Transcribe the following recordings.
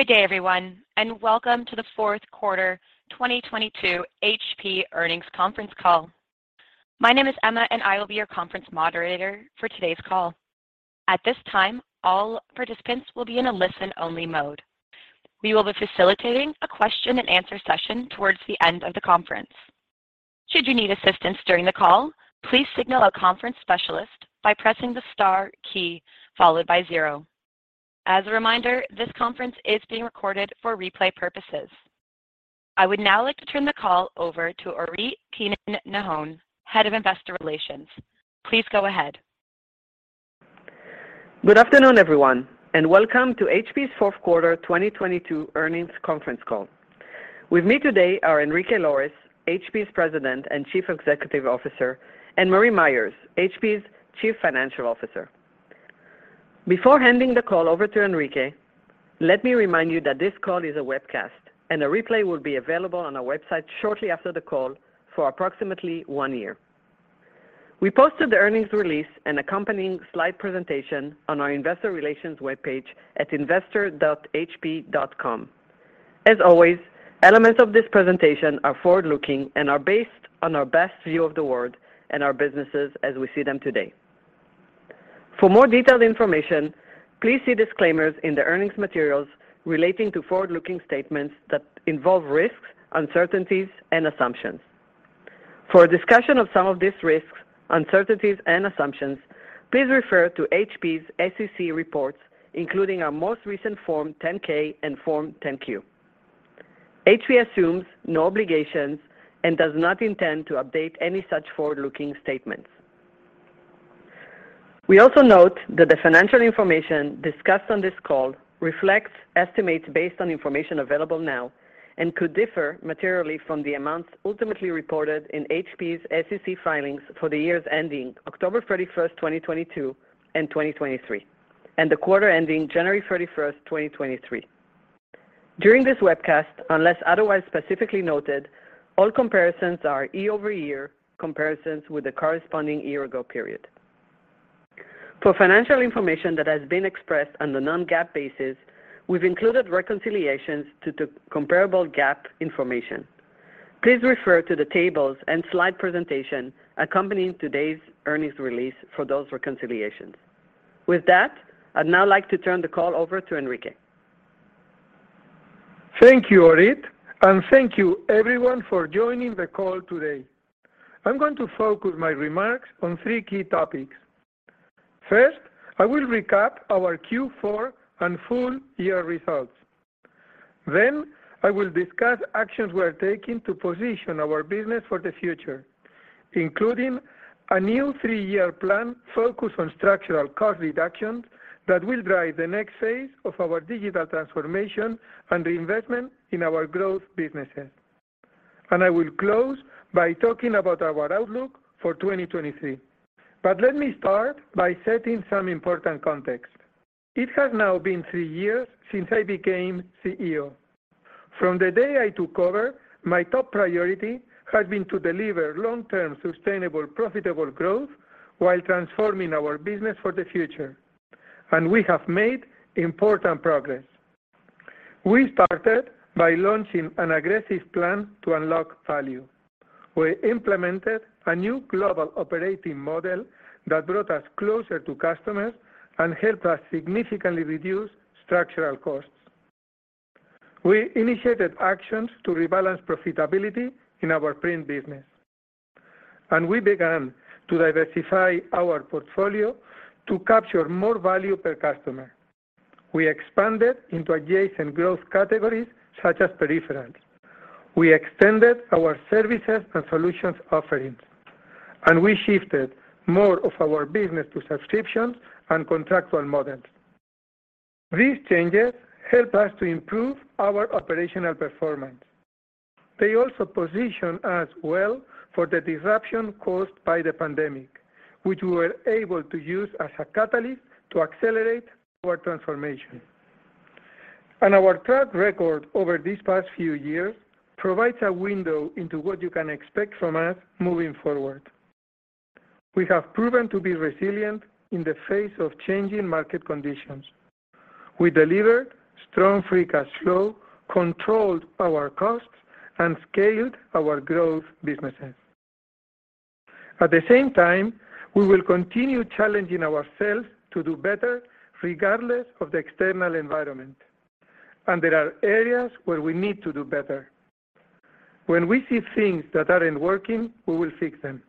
Good day, everyone, and welcome to the Fourth Quarter 2022 HP Earnings Conference Call. My name is Emma and I will be your conference moderator for today's call. At this time, all participants will be in a listen-only mode. We will be facilitating a question and answer session towards the end of the conference. Should you need assistance during the call, please signal a conference specialist by pressing the star key followed by zero. As a reminder, this conference is being recorded for replay purposes. I would now like to turn the call over to Orit Keinan-Nahon, Head of Investor Relations. Please go ahead. Good afternoon, everyone, and welcome to HP's fourth quarter 2022 earnings conference call. With me today are Enrique Lores, HP's President and Chief Executive Officer, and Marie Myers, HP's Chief Financial Officer. Before handing the call over to Enrique, let me remind you that this call is a webcast and a replay will be available on our website shortly after the call for approximately one year. We posted the earnings release and accompanying slide presentation on our investor relations webpage at investor.hp.com. Always, elements of this presentation are forward-looking and are based on our best view of the world and our businesses as we see them today. For more detailed information, please see disclaimers in the earnings materials relating to forward-looking statements that involve risks, uncertainties and assumptions. For a discussion of some of these risks, uncertainties and assumptions, please refer to HP's SEC reports, including our most recent Form 10-K and Form 10-Q. HP assumes no obligations and does not intend to update any such forward-looking statements. We also note that the financial information discussed on this call reflects estimates based on information available now and could differ materially from the amounts ultimately reported in HP's SEC filings for the years ending October 31, 2022 and 2023, and the quarter ending January 31st, 2023. During this webcast, unless otherwise specifically noted, all comparisons are year-over-year comparisons with the corresponding year ago period. For financial information that has been expressed on a non-GAAP basis, we've included reconciliations to the comparable GAAP information. Please refer to the tables and slide presentation accompanying today's earnings release for those reconciliations. With that, I'd now like to turn the call over to Enrique. Thank you, Orit, and thank you everyone for joining the call today. I'm going to focus my remarks on three key topics. First, I will recap our Q4 and full year results. I will discuss actions we are taking to position our business for the future, including a new three-year plan focused on structural cost reductions that will drive the next phase of our digital transformation and reinvestment in our growth businesses. I will close by talking about our outlook for 2023. Let me start by setting some important context. It has now been three years since I became CEO. From the day I took over, my top priority has been to deliver long-term, sustainable, profitable growth while transforming our business for the future. We have made important progress. We started by launching an aggressive plan to unlock value. We implemented a new global operating model that brought us closer to customers and helped us significantly reduce structural costs. We initiated actions to rebalance profitability in our print business. We began to diversify our portfolio to capture more value per customer. We expanded into adjacent growth categories such as peripherals. We extended our services and solutions offerings, and we shifted more of our business to subscriptions and contractual models. These changes helped us to improve our operational performance. They also position us well for the disruption caused by the pandemic, which we were able to use as a catalyst to accelerate our transformation. Our track record over these past few years provides a window into what you can expect from us moving forward. We have proven to be resilient in the face of changing market conditions. We delivered strong free cash flow, controlled our costs, and scaled our growth businesses. At the same time, we will continue challenging ourselves to do better regardless of the external environment. There are areas where we need to do better. When we see things that aren't working, we will fix them,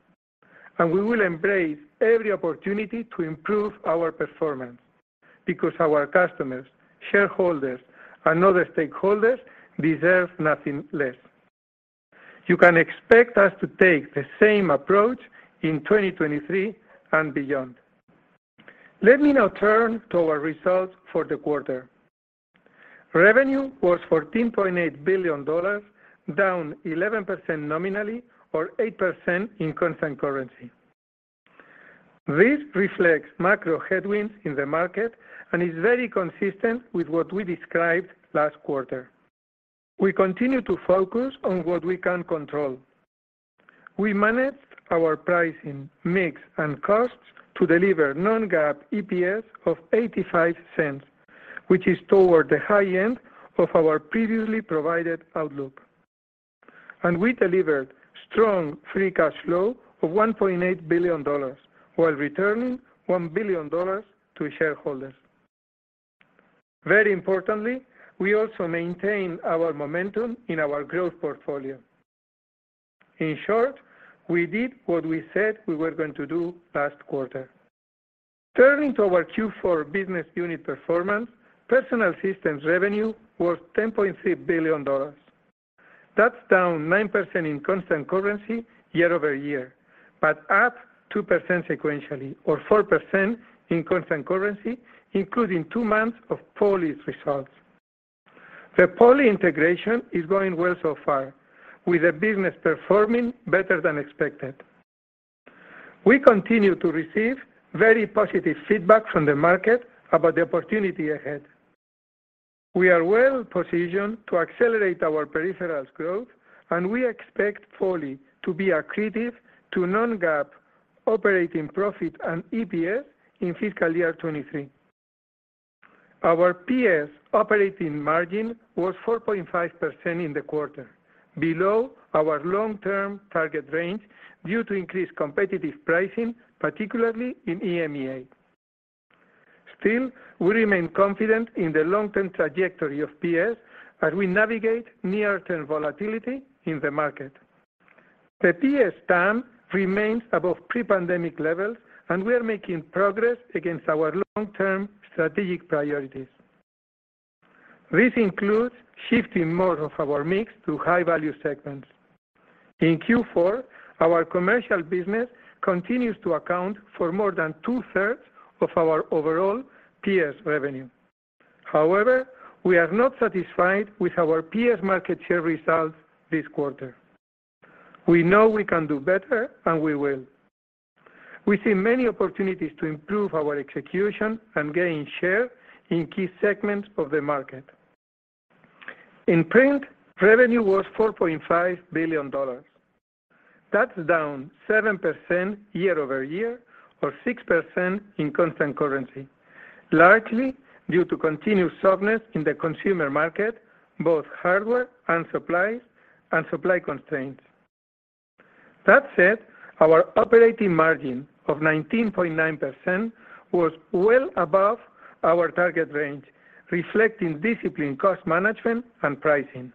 and we will embrace every opportunity to improve our performance because our customers, shareholders, and other stakeholders deserve nothing less. You can expect us to take the same approach in 2023 and beyond. Let me now turn to our results for the quarter. Revenue was $14.8 billion, down 11% nominally or 8% in constant currency. This reflects macro headwinds in the market and is very consistent with what we described last quarter. We continue to focus on what we can control. We managed our pricing mix and costs to deliver non-GAAP EPS of $0.85, which is toward the high end of our previously provided outlook. We delivered strong free cash flow of $1.8 billion while returning $1 billion to shareholders. Very importantly, we also maintain our momentum in our growth portfolio. In short, we did what we said we were going to do last quarter. Turning to our Q4 business unit performance, personal systems revenue was $10.3 billion. That's down 9% in constant currency year-over-year, but up 2% sequentially or 4% in constant currency, including two months of Poly's results. The Poly integration is going well so far, with the business performing better than expected. We continue to receive very positive feedback from the market about the opportunity ahead. We are well positioned to accelerate our peripherals growth, and we expect Poly to be accretive to non-GAAP operating profit and EPS in fiscal year 2023. Our PS operating margin was 4.5% in the quarter, below our long-term target range due to increased competitive pricing, particularly in EMEA. Still, we remain confident in the long-term trajectory of PS as we navigate near-term volatility in the market. The PS TAM remains above pre-pandemic levels, and we are making progress against our long-term strategic priorities. This includes shifting more of our mix to high-value segments. In Q4, our commercial business continues to account for more than 2/3 of our overall PS revenue. However, we are not satisfied with our PS market share results this quarter. We know we can do better, and we will. We see many opportunities to improve our execution and gain share in key segments of the market. In Print, revenue was $4.5 billion. That's down 7% year-over-year or 6% in constant currency, largely due to continued softness in the consumer market, both hardware and supplies, and supply constraints. That said, our operating margin of 19.9% was well above our target range, reflecting disciplined cost management and pricing.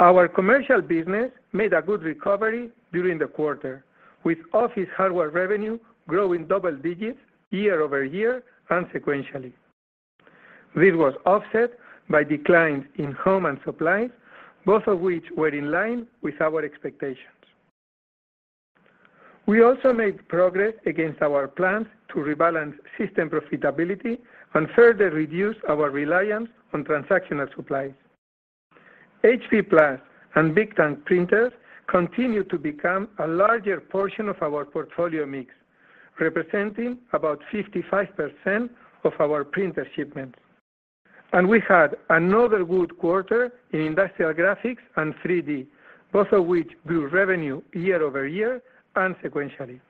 Our commercial business made a good recovery during the quarter, with office hardware revenue growing double digits year-over-year and sequentially. This was offset by declines in home and supplies, both of which were in line with our expectations. We also made progress against our plans to rebalance system profitability and further reduce our reliance on transactional supplies. HP Plus and Big Tank printers continue to become a larger portion of our portfolio mix, representing about 55% of our printer shipments. We had another good quarter in industrial graphics and 3D, both of which grew revenue year-over-year and sequentially.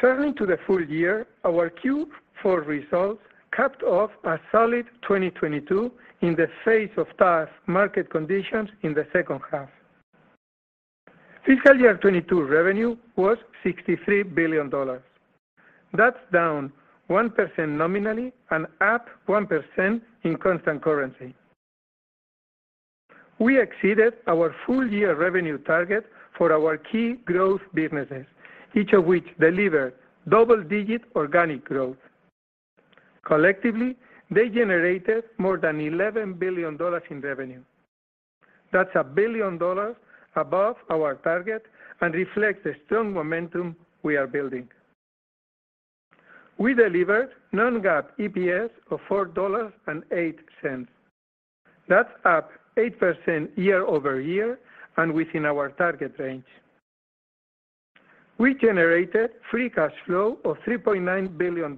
Turning to the full year, our Q4 results capped off a solid 2022 in the face of tough market conditions in the second half. Fiscal year 2022 revenue was $63 billion. That's down 1% nominally and up 1% in constant currency. We exceeded our full-year revenue target for our key growth businesses, each of which delivered double-digit organic growth. Collectively, they generated more than $11 billion in revenue. That's $1 billion above our target and reflects the strong momentum we are building. We delivered non-GAAP EPS of $4.08. That's up 8% year-over-year and within our target range. We generated free cash flow of $3.9 billion,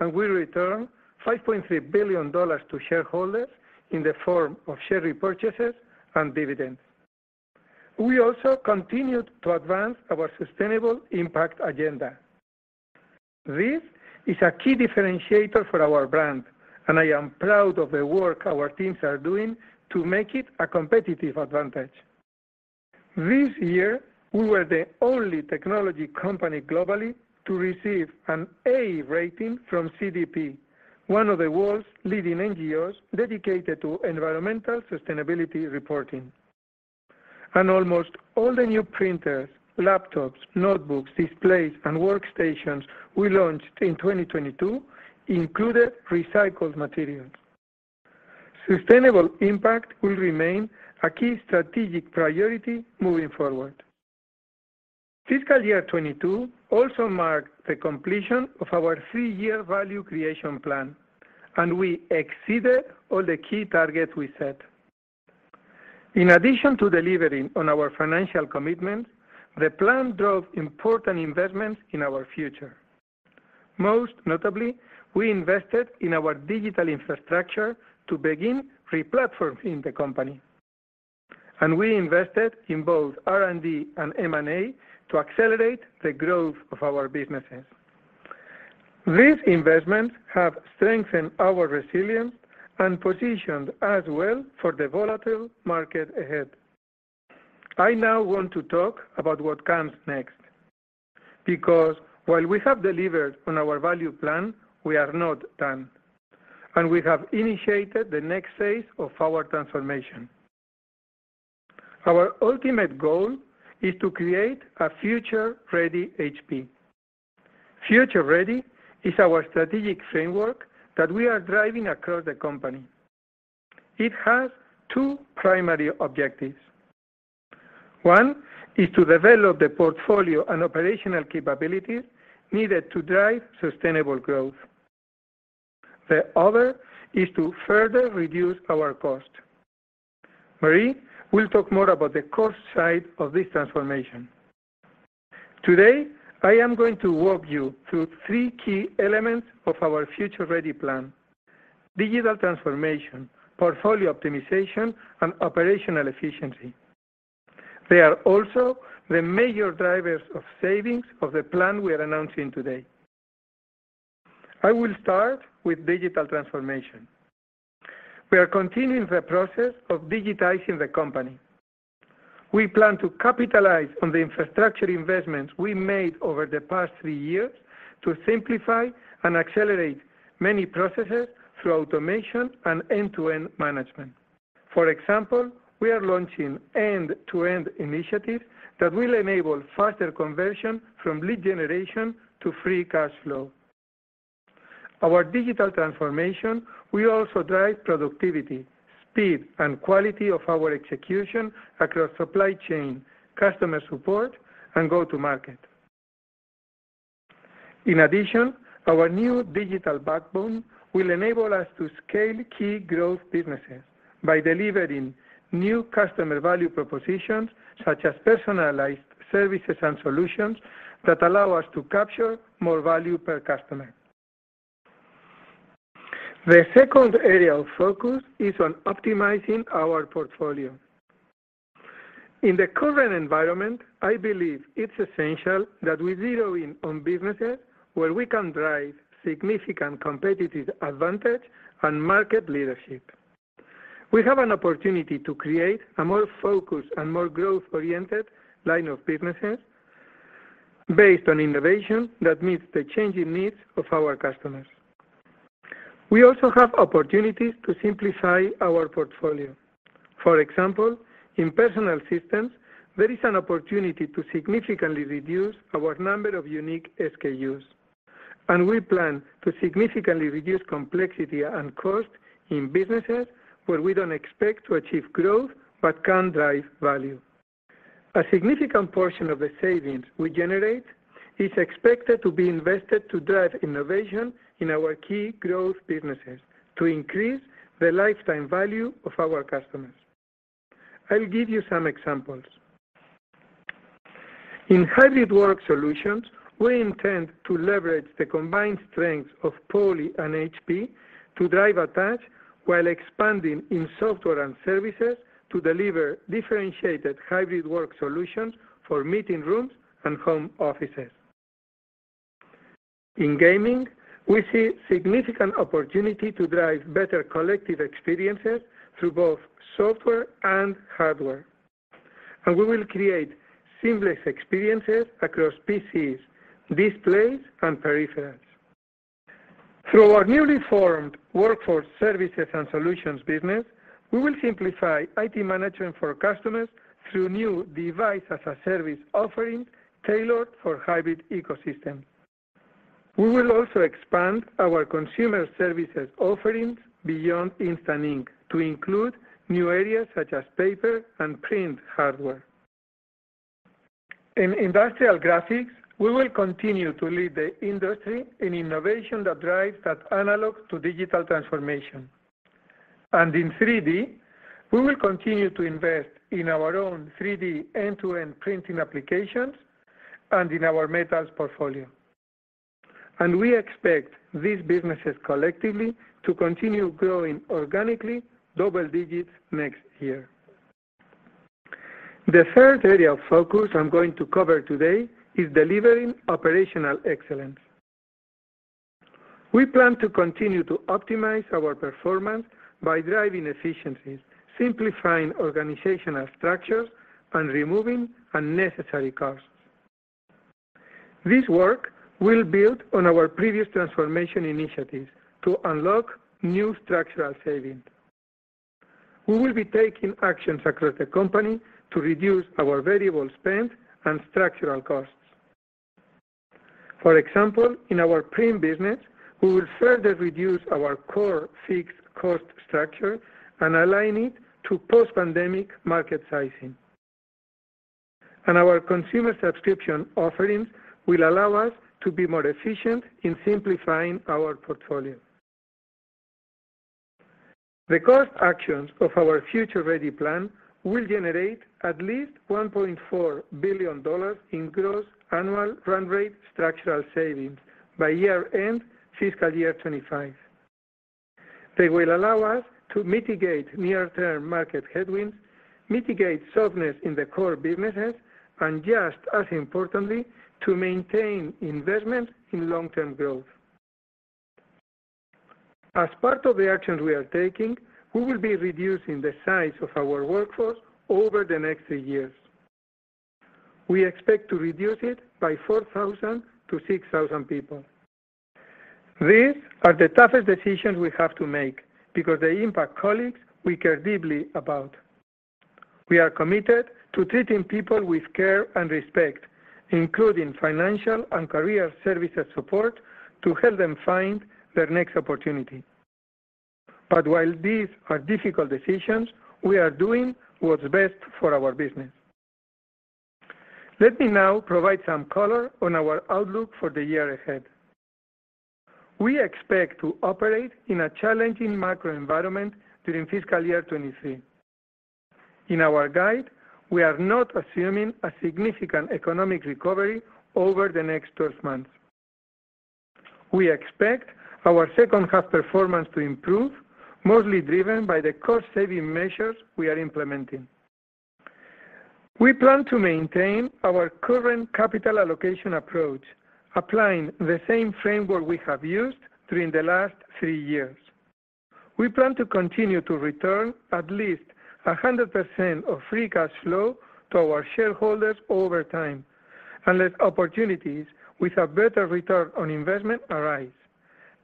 and we returned $5.3 billion to shareholders in the form of share repurchases and dividends. We also continued to advance our sustainable impact agenda. This is a key differentiator for our brand, and I am proud of the work our teams are doing to make it a competitive advantage. This year, we were the only technology company globally to receive an A rating from CDP, one of the world's leading NGOs dedicated to environmental sustainability reporting. Almost all the new printers, laptops, notebooks, displays, and workstations we launched in 2022 included recycled materials. Sustainable impact will remain a key strategic priority moving forward. Fiscal year 22 also marked the completion of our three-year value creation plan, and we exceeded all the key targets we set. In addition to delivering on our financial commitments, the plan drove important investments in our future. Most notably, we invested in our digital infrastructure to begin replatforming the company, and we invested in both R&D and M&A to accelerate the growth of our businesses. These investments have strengthened our resilience and positioned us well for the volatile market ahead. I now want to talk about what comes next because while we have delivered on our value plan, we are not done, and we have initiated the next phase of our transformation. Our ultimate goal is to create a Future Ready HP. Future Ready is our strategic framework that we are driving across the company. It has two primary objectives. One is to develop the portfolio and operational capabilities needed to drive sustainable growth. The other is to further reduce our cost. Marie will talk more about the cost side of this transformation. Today, I am going to walk you through three key elements of our Future Ready plan: digital transformation, portfolio optimization, and operational efficiency. They are also the major drivers of savings of the plan we are announcing today. I will start with digital transformation. We are continuing the process of digitizing the company. We plan to capitalize on the infrastructure investments we made over the past three years to simplify and accelerate many processes through automation and end-to-end management. For example, we are launching end-to-end initiatives that will enable faster conversion from lead generation to free cash flow. Our digital transformation will also drive productivity, speed, and quality of our execution across supply chain, customer support, and go-to market. Our new digital backbone will enable us to scale key growth businesses by delivering new customer value propositions, such as personalized services and solutions that allow us to capture more value per customer. The second area of focus is on optimizing our portfolio. In the current environment, I believe it's essential that we zero in on businesses where we can drive significant competitive advantage and market leadership. We have an opportunity to create a more focused and more growth-oriented line of businesses based on innovation that meets the changing needs of our customers. We also have opportunities to simplify our portfolio. For example, in personal systems, there is an opportunity to significantly reduce our number of unique SKUs. We plan to significantly reduce complexity and cost in businesses where we don't expect to achieve growth but can drive value. A significant portion of the savings we generate is expected to be invested to drive innovation in our key growth businesses to increase the lifetime value of our customers. I'll give you some examples. In hybrid work solutions, we intend to leverage the combined strengths of Poly and HP to drive attach while expanding in software and services to deliver differentiated hybrid work solutions for meeting rooms and home offices. In gaming, we see significant opportunity to drive better collective experiences through both software and hardware, and we will create seamless experiences across PCs, displays, and peripherals. Through our newly formed Workforce Services and Solutions business, we will simplify IT management for customers through new device-as-a-service offering tailored for hybrid ecosystems. We will also expand our consumer services offerings beyond Instant Ink to include new areas such as paper and print hardware. In industrial graphics, we will continue to lead the industry in innovation that drives that analog-to-digital transformation. In 3D, we will continue to invest in our own 3D end-to-end printing applications and in our metals portfolio. We expect these businesses collectively to continue growing organically double digits next year. The third area of focus I'm going to cover today is delivering operational excellence. We plan to continue to optimize our performance by driving efficiencies, simplifying organizational structures, and removing unnecessary costs. This work will build on our previous transformation initiatives to unlock new structural savings. We will be taking actions across the company to reduce our variable spend and structural costs. For example, in our print business, we will further reduce our core fixed cost structure and align it to post-pandemic market sizing. Our consumer subscription offerings will allow us to be more efficient in simplifying our portfolio. The cost actions of our Future Ready plan will generate at least $1.4 billion in gross annual run rate structural savings by year-end fiscal year 2025. They will allow us to mitigate near-term market headwinds, mitigate softness in the core businesses, and just as importantly, to maintain investment in long-term growth. As part of the actions we are taking, we will be reducing the size of our workforce over the next three years. We expect to reduce it by 4,000 to 6,000 people. These are the toughest decisions we have to make because they impact colleagues we care deeply about. We are committed to treating people with care and respect, including financial and career services support to help them find their next opportunity. While these are difficult decisions, we are doing what's best for our business. Let me now provide some color on our outlook for the year ahead. We expect to operate in a challenging macro environment during fiscal year 2023. In our guide, we are not assuming a significant economic recovery over the next 12 months. We expect our second half performance to improve, mostly driven by the cost-saving measures we are implementing. We plan to maintain our current capital allocation approach, applying the same framework we have used during the last three years. We plan to continue to return at least 100% of free cash flow to our shareholders over time, unless opportunities with a better return on investment arise,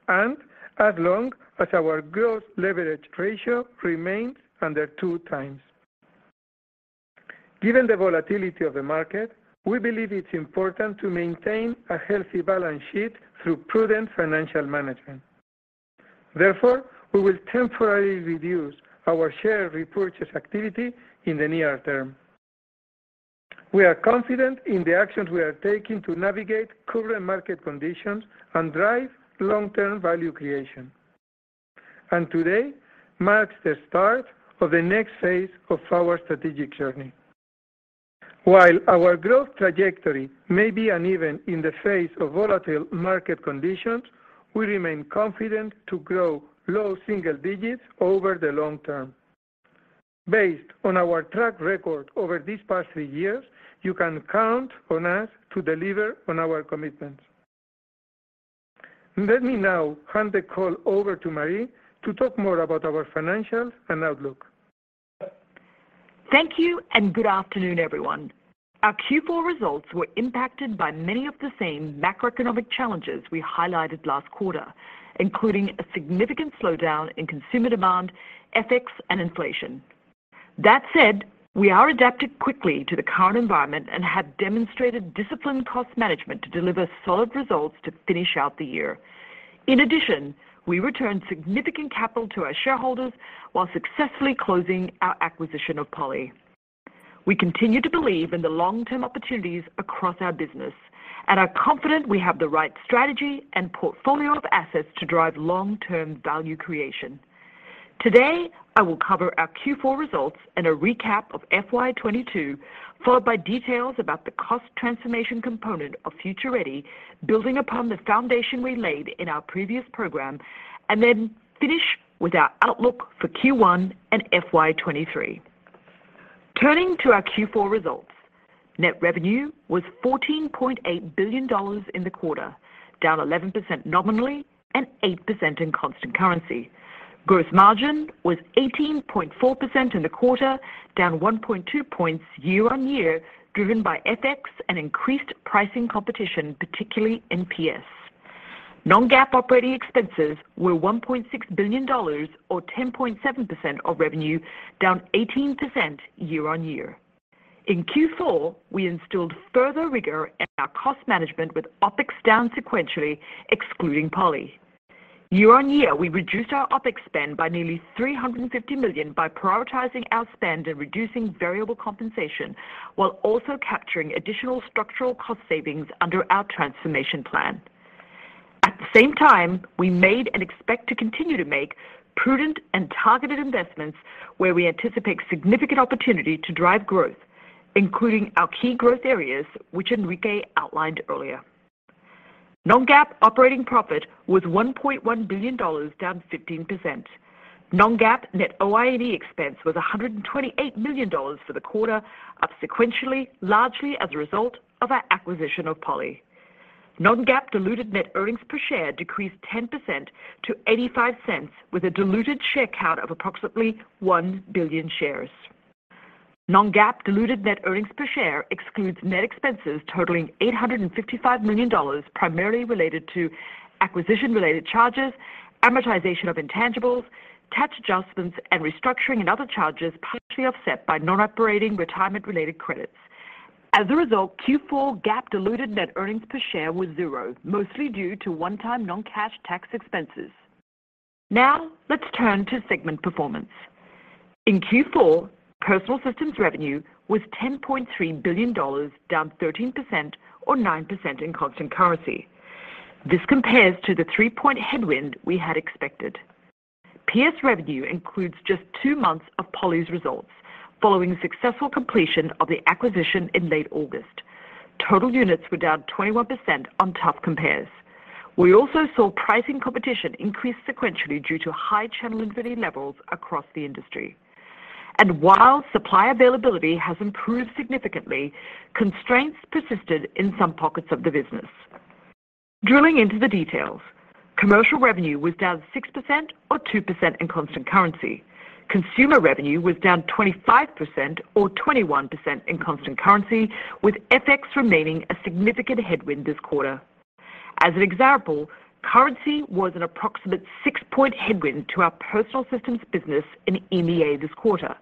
and as long as our growth leverage ratio remains under 2x. Given the volatility of the market, we believe it's important to maintain a healthy balance sheet through prudent financial management. Therefore, we will temporarily reduce our share repurchase activity in the near term. We are confident in the actions we are taking to navigate current market conditions and drive long-term value creation. Today marks the start of the next phase of our strategic journey. While our growth trajectory may be uneven in the face of volatile market conditions, we remain confident to grow low single digits over the long term. Based on our track record over these past three years, you can count on us to deliver on our commitments. Let me now hand the call over to Marie to talk more about our financials and outlook. Thank you. Good afternoon, everyone. Our Q4 results were impacted by many of the same macroeconomic challenges we highlighted last quarter, including a significant slowdown in consumer demand, FX, and inflation. That said, we are adapted quickly to the current environment and have demonstrated disciplined cost management to deliver solid results to finish out the year. In addition, we returned significant capital to our shareholders while successfully closing our acquisition of Poly. We continue to believe in the long-term opportunities across our business and are confident we have the right strategy and portfolio of assets to drive long-term value creation. Today, I will cover our Q4 results and a recap of FY 2022, followed by details about the cost transformation component of Future Ready, building upon the foundation we laid in our previous program, then finish with our outlook for Q1 and FY 2023. Turning to our Q4 results. Net revenue was $14.8 billion in the quarter, down 11% nominally and 8% in constant currency. Gross margin was 18.4% in the quarter, down 1.2 points year-on-year, driven by FX and increased pricing competition, particularly in PS. Non-GAAP operating expenses were $1.6 billion or 10.7% of revenue, down 18% year-on-year. In Q4, we instilled further rigor in our cost management with OpEx down sequentially excluding Poly. Year-on-year, we reduced our OpEx spend by nearly $350 million by prioritizing our spend and reducing variable compensation while also capturing additional structural cost savings under our transformation plan. At the same time, we made and expect to continue to make prudent and targeted investments where we anticipate significant opportunity to drive growth, including our key growth areas, which Enrique outlined earlier. Non-GAAP operating profit was $1.1 billion, down 15%. Non-GAAP net OID expense was $128 million for the quarter, up sequentially, largely as a result of our acquisition of Poly. Non-GAAP diluted net earnings per share decreased 10% to $0.85 with a diluted share count of approximately 1 billion shares. Non-GAAP diluted net earnings per share excludes net expenses totaling $855 million, primarily related to acquisition-related charges, amortization of intangibles, tax adjustments, and restructuring and other charges partially offset by non-operating retirement-related credits. As a result, Q4 GAAP diluted net earnings per share was zero, mostly due to one-time non-cash tax expenses. Now, let's turn to segment performance. In Q4, Personal Systems revenue was $10.3 billion, down 13% or 9% in constant currency. This compares to the three-point headwind we had expected. PS revenue includes just two months of Poly's results following successful completion of the acquisition in late August. Total units were down 21% on tough compares. We also saw pricing competition increase sequentially due to high channel inventory levels across the industry. While supply availability has improved significantly, constraints persisted in some pockets of the business. Drilling into the details, commercial revenue was down 6% or 2% in constant currency. Consumer revenue was down 25% or 21% in constant currency, with FX remaining a significant headwind this quarter. As an example, currency was an approximate six-point headwind to our Personal Systems business in EMEA this quarter,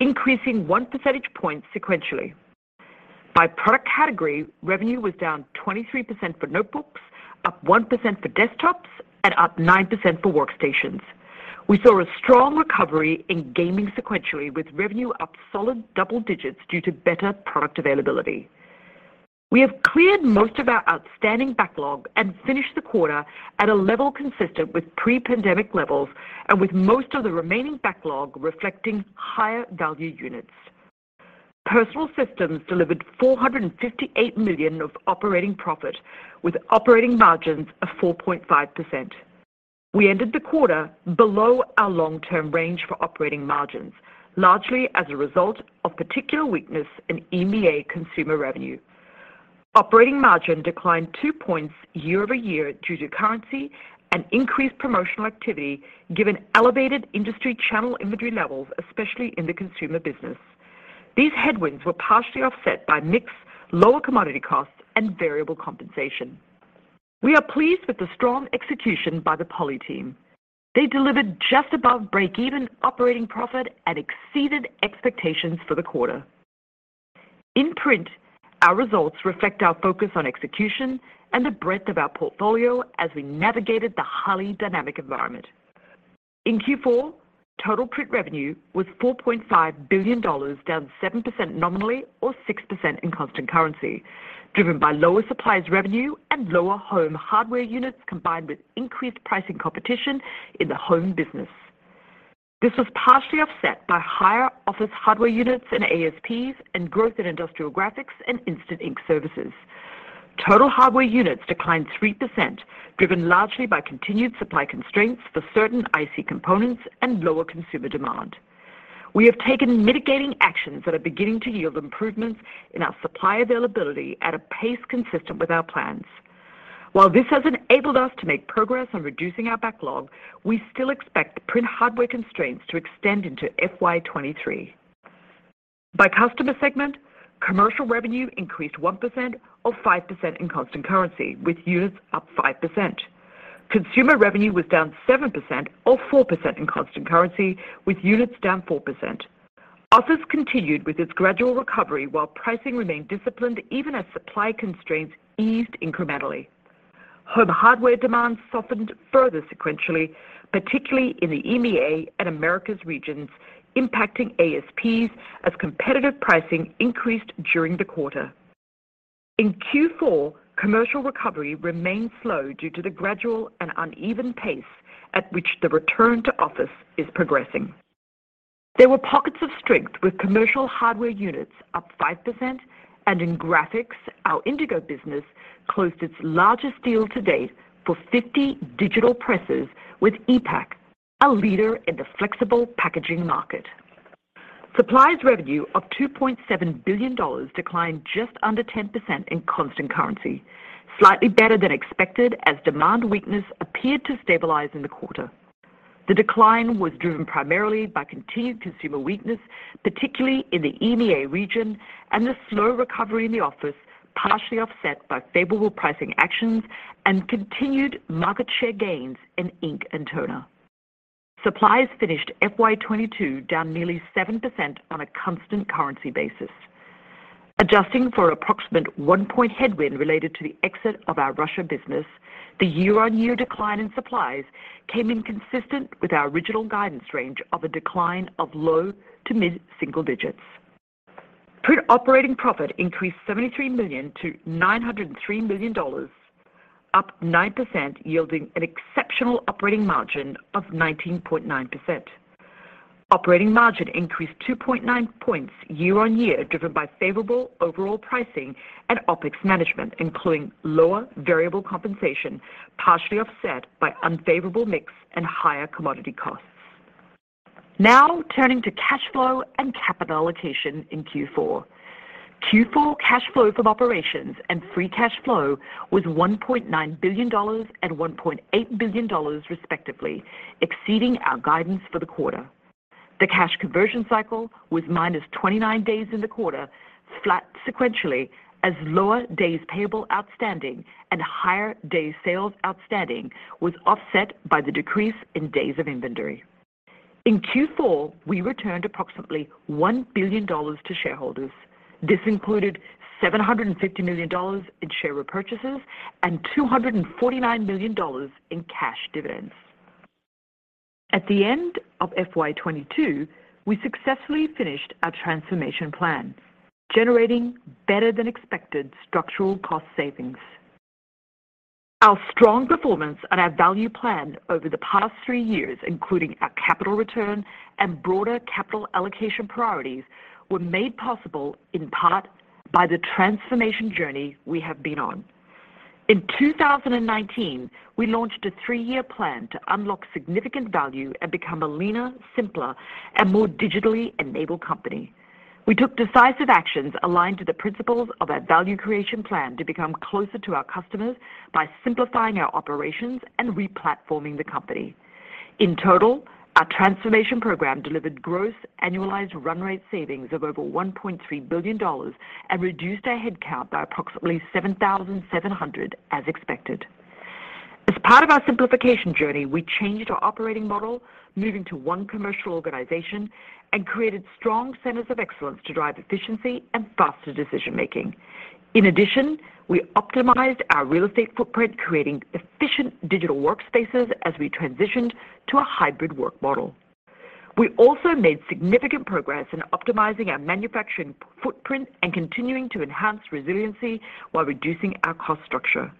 increasing 1 percentage point sequentially. By product category, revenue was down 23% for notebooks, up 1% for desktops, and up 9% for workstations. We saw a strong recovery in gaming sequentially with revenue up solid double digits due to better product availability. We have cleared most of our outstanding backlog and finished the quarter at a level consistent with pre-pandemic levels and with most of the remaining backlog reflecting higher value units. Personal Systems delivered $458 million of operating profit with operating margins of 4.5%. We ended the quarter below our long-term range for operating margins, largely as a result of particular weakness in EMEA consumer revenue. Operating margin declined two points year-over-year due to currency and increased promotional activity given elevated industry channel inventory levels, especially in the consumer business. These headwinds were partially offset by mix, lower commodity costs, and variable compensation. We are pleased with the strong execution by the Poly team. They delivered just above break-even operating profit and exceeded expectations for the quarter. In print, our results reflect our focus on execution and the breadth of our portfolio as we navigated the highly dynamic environment. In Q4, total print revenue was $4.5 billion, down 7% nominally or 6% in constant currency, driven by lower supplies revenue and lower home hardware units, combined with increased pricing competition in the home business. This was partially offset by higher office hardware units and ASPs and growth in industrial graphics and Instant Ink services. Total hardware units declined 3%, driven largely by continued supply constraints for certain IC components and lower consumer demand. We have taken mitigating actions that are beginning to yield improvements in our supply availability at a pace consistent with our plans. While this has enabled us to make progress on reducing our backlog, we still expect print hardware constraints to extend into FY 2023. By customer segment, commercial revenue increased 1% or 5% in constant currency, with units up 5%. Consumer revenue was down 7% or 4% in constant currency, with units down 4%. Office continued with its gradual recovery while pricing remained disciplined even as supply constraints eased incrementally. Home hardware demand softened further sequentially, particularly in the EMEA and Americas regions, impacting ASPs as competitive pricing increased during the quarter. In Q4, commercial recovery remained slow due to the gradual and uneven pace at which the return to office is progressing. There were pockets of strength with commercial hardware units up 5% and in graphics, our Indigo business closed its largest deal to date for 50 digital presses with ePac, a leader in the flexible packaging market. Supplies revenue of $2.7 billion declined just under 10% in constant currency, slightly better than expected as demand weakness appeared to stabilize in the quarter. The decline was driven primarily by continued consumer weakness, particularly in the EMEA region and the slow recovery in the office, partially offset by favorable pricing actions and continued market share gains in ink and toner. Supplies finished FY 2022 down nearly 7% on a constant currency basis. Adjusting for approximate one point headwind related to the exit of our Russia business, the year-on-year decline in supplies came inconsistent with our original guidance range of a decline of low to mid single digits. Print operating profit increased $73 million to $903 million, up 9% yielding an exceptional operating margin of 19.9%. Operating margin increased 2.9 points year-on-year, driven by favorable overall pricing and OpEx management, including lower variable compensation, partially offset by unfavorable mix and higher commodity costs. Turning to cash flow and capital allocation in Q4. Q4 cash flow from operations and free cash flow was $1.9 billion and $1.8 billion respectively, exceeding our guidance for the quarter. The cash conversion cycle was -29 days in the quarter, flat sequentially as lower days payable outstanding and higher days sales outstanding was offset by the decrease in days of inventory. In Q4, we returned approximately $1 billion to shareholders. This included $750 million in share repurchases and $249 million in cash dividends. At the end of FY 2022, we successfully finished our transformation plan, generating better than expected structural cost savings. Our strong performance and our value plan over the past three years, including our capital return and broader capital allocation priorities, were made possible in part by the transformation journey we have been on. In 2019, we launched a three-year plan to unlock significant value and become a leaner, simpler, and more digitally enabled company. We took decisive actions aligned to the principles of our value creation plan to become closer to our customers by simplifying our operations and re-platforming the company. In total, our transformation program delivered gross annualized run rate savings of over $1.3 billion and reduced our headcount by approximately 7,700 as expected. As part of our simplification journey, we changed our operating model, moving to one commercial organization and created strong centers of excellence to drive efficiency and faster decision making. In addition, we optimized our real estate footprint, creating efficient digital workspaces as we transitioned to a hybrid work model. We also made significant progress in optimizing our manufacturing footprint and continuing to enhance resiliency while reducing our cost structure.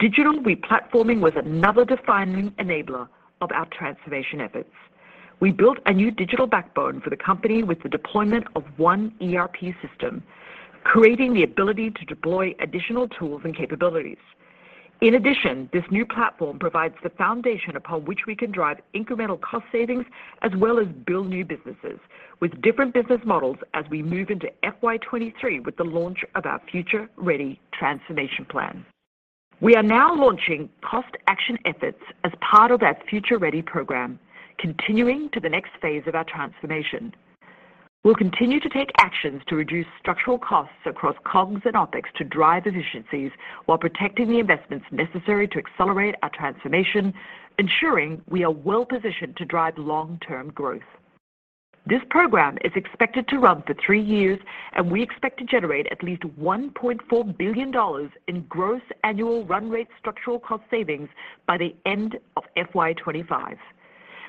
Digital re-platforming was another defining enabler of our transformation efforts. We built a new digital backbone for the company with the deployment of one ERP system, creating the ability to deploy additional tools and capabilities. This new platform provides the foundation upon which we can drive incremental cost savings as well as build new businesses with different business models as we move into FY 2023 with the launch of our Future Ready transformation plan. We are now launching cost action efforts as part of our Future Ready program, continuing to the next phase of our transformation. We'll continue to take actions to reduce structural costs across COGS and OpEx to drive efficiencies while protecting the investments necessary to accelerate our transformation, ensuring we are well-positioned to drive long-term growth. This program is expected to run for three years, and we expect to generate at least $1.4 billion in gross annual run rate structural cost savings by the end of FY 2025.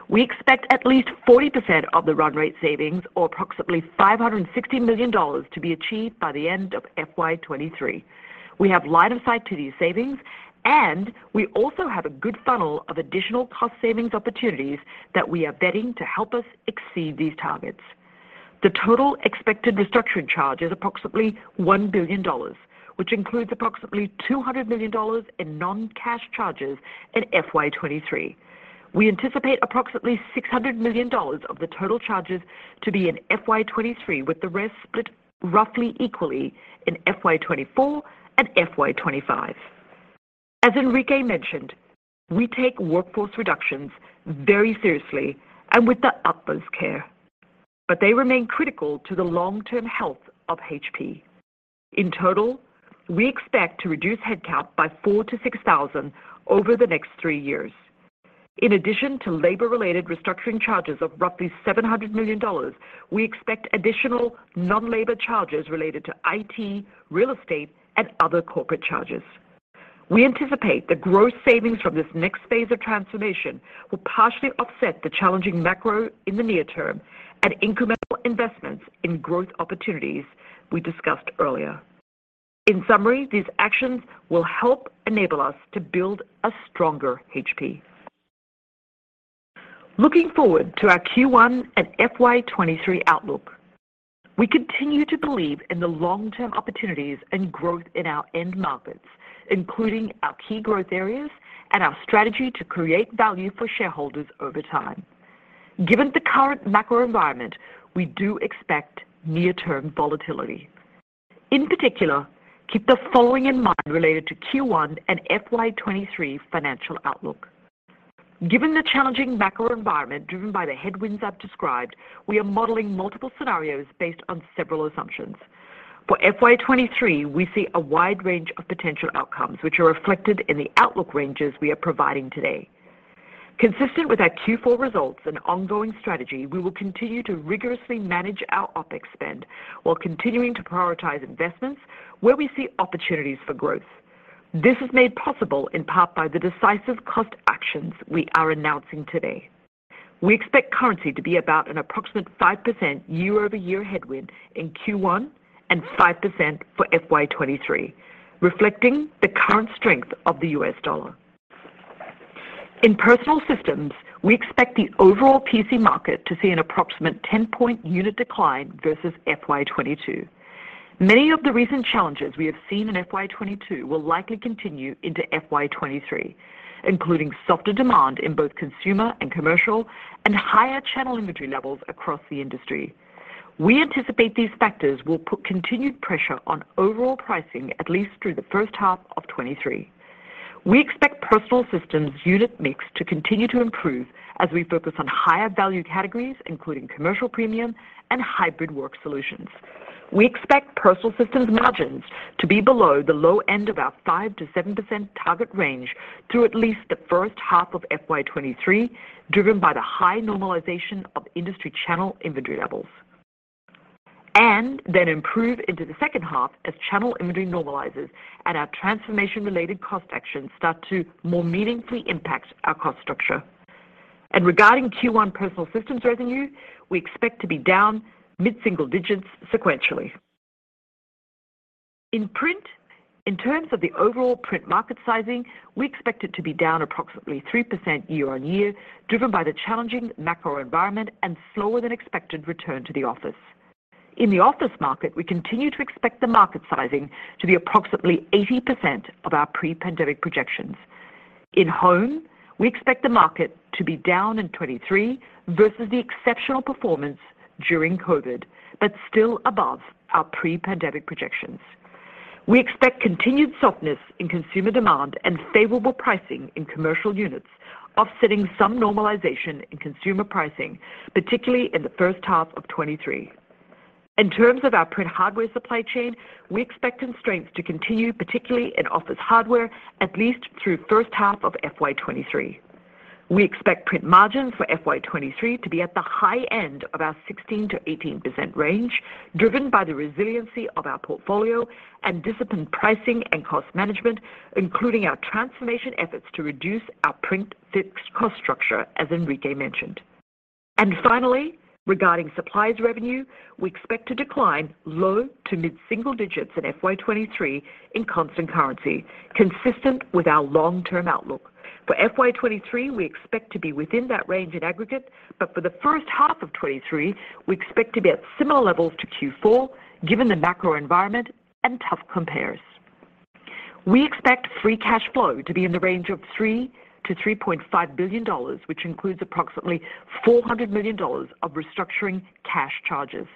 We expect at least 40% of the run rate savings or approximately $560 million to be achieved by the end of FY 2023. We have line of sight to these savings, and we also have a good funnel of additional cost savings opportunities that we are betting to help us exceed these targets. The total expected restructuring charge is approximately $1 billion, which includes approximately $200 million in non-cash charges in FY 2023. We anticipate approximately $600 million of the total charges to be in FY 2023, with the rest split roughly equally in FY 2024 and FY 2025. As Enrique mentioned, we take workforce reductions very seriously and with the utmost care, but they remain critical to the long-term health of HP. In total, we expect to reduce headcount by 4,000-6,000 over the next three years. In addition to labor-related restructuring charges of roughly $700 million, we expect additional non-labor charges related to IT, real estate, and other corporate charges. We anticipate the gross savings from this next phase of transformation will partially offset the challenging macro in the near term and incremental investments in growth opportunities we discussed earlier. In summary, these actions will help enable us to build a stronger HP. Looking forward to our Q1 and FY 2023 outlook, we continue to believe in the long-term opportunities and growth in our end markets, including our key growth areas and our strategy to create value for shareholders over time. Given the current macro environment, we do expect near-term volatility. In particular, keep the following in mind related to Q1 and FY23 financial outlook. Given the challenging macro environment driven by the headwinds I've described, we are modeling multiple scenarios based on several assumptions. For FY 2023, we see a wide range of potential outcomes, which are reflected in the outlook ranges we are providing today. Consistent with our Q4 results and ongoing strategy, we will continue to rigorously manage our OpEx spend while continuing to prioritize investments where we see opportunities for growth. This is made possible in part by the decisive cost actions we are announcing today. We expect currency to be about an approximate 5% year-over-year headwind in Q1 and 5% for FY 2023, reflecting the current strength of the U.S. dollar. In Personal Systems, we expect the overall PC market to see an approximate 10-point unit decline versus FY 2022. Many of the recent challenges we have seen in FY 2022 will likely continue into FY 2023, including softer demand in both consumer and commercial and higher channel inventory levels across the industry. We anticipate these factors will put continued pressure on overall pricing at least through the first half of 2023. We expect Personal Systems unit mix to continue to improve as we focus on higher value categories, including commercial premium and hybrid work solutions. We expect Personal Systems margins to be below the low end of our 5%-7% target range through at least the first half of FY 2023, driven by the high normalization of industry channel inventory levels. Then improve into the second half as channel inventory normalizes and our transformation related cost actions start to more meaningfully impact our cost structure. Regarding Q1 Personal Systems revenue, we expect to be down mid-single digits sequentially. In Print, in terms of the overall Print market sizing, we expect it to be down approximately 3% year-on-year, driven by the challenging macro environment and slower than expected return to the office. In the office market, we continue to expect the market sizing to be approximately 80% of our pre-pandemic projections. In Home, we expect the market to be down in 23 versus the exceptional performance during COVID, but still above our pre-pandemic projections. We expect continued softness in consumer demand and favorable pricing in commercial units, offsetting some normalization in consumer pricing, particularly in the first half of 2023. In terms of our Print hardware supply chain, we expect constraints to continue, particularly in office hardware, at least through first half of FY 2023. We expect Print margins for FY 2023 to be at the high end of our 16%-18% range, driven by the resiliency of our portfolio and disciplined pricing and cost management, including our transformation efforts to reduce our Print fixed cost structure, as Enrique mentioned. Finally, regarding Supplies revenue, we expect to decline low to mid-single digits in FY 2023 in constant currency, consistent with our long-term outlook. For FY 2023, we expect to be within that range in aggregate, for the first half of 2023, we expect to be at similar levels to Q4, given the macro environment and tough compares. We expect free cash flow to be in the range of $3 billion-$3.5 billion, which includes approximately $400 million of restructuring cash charges.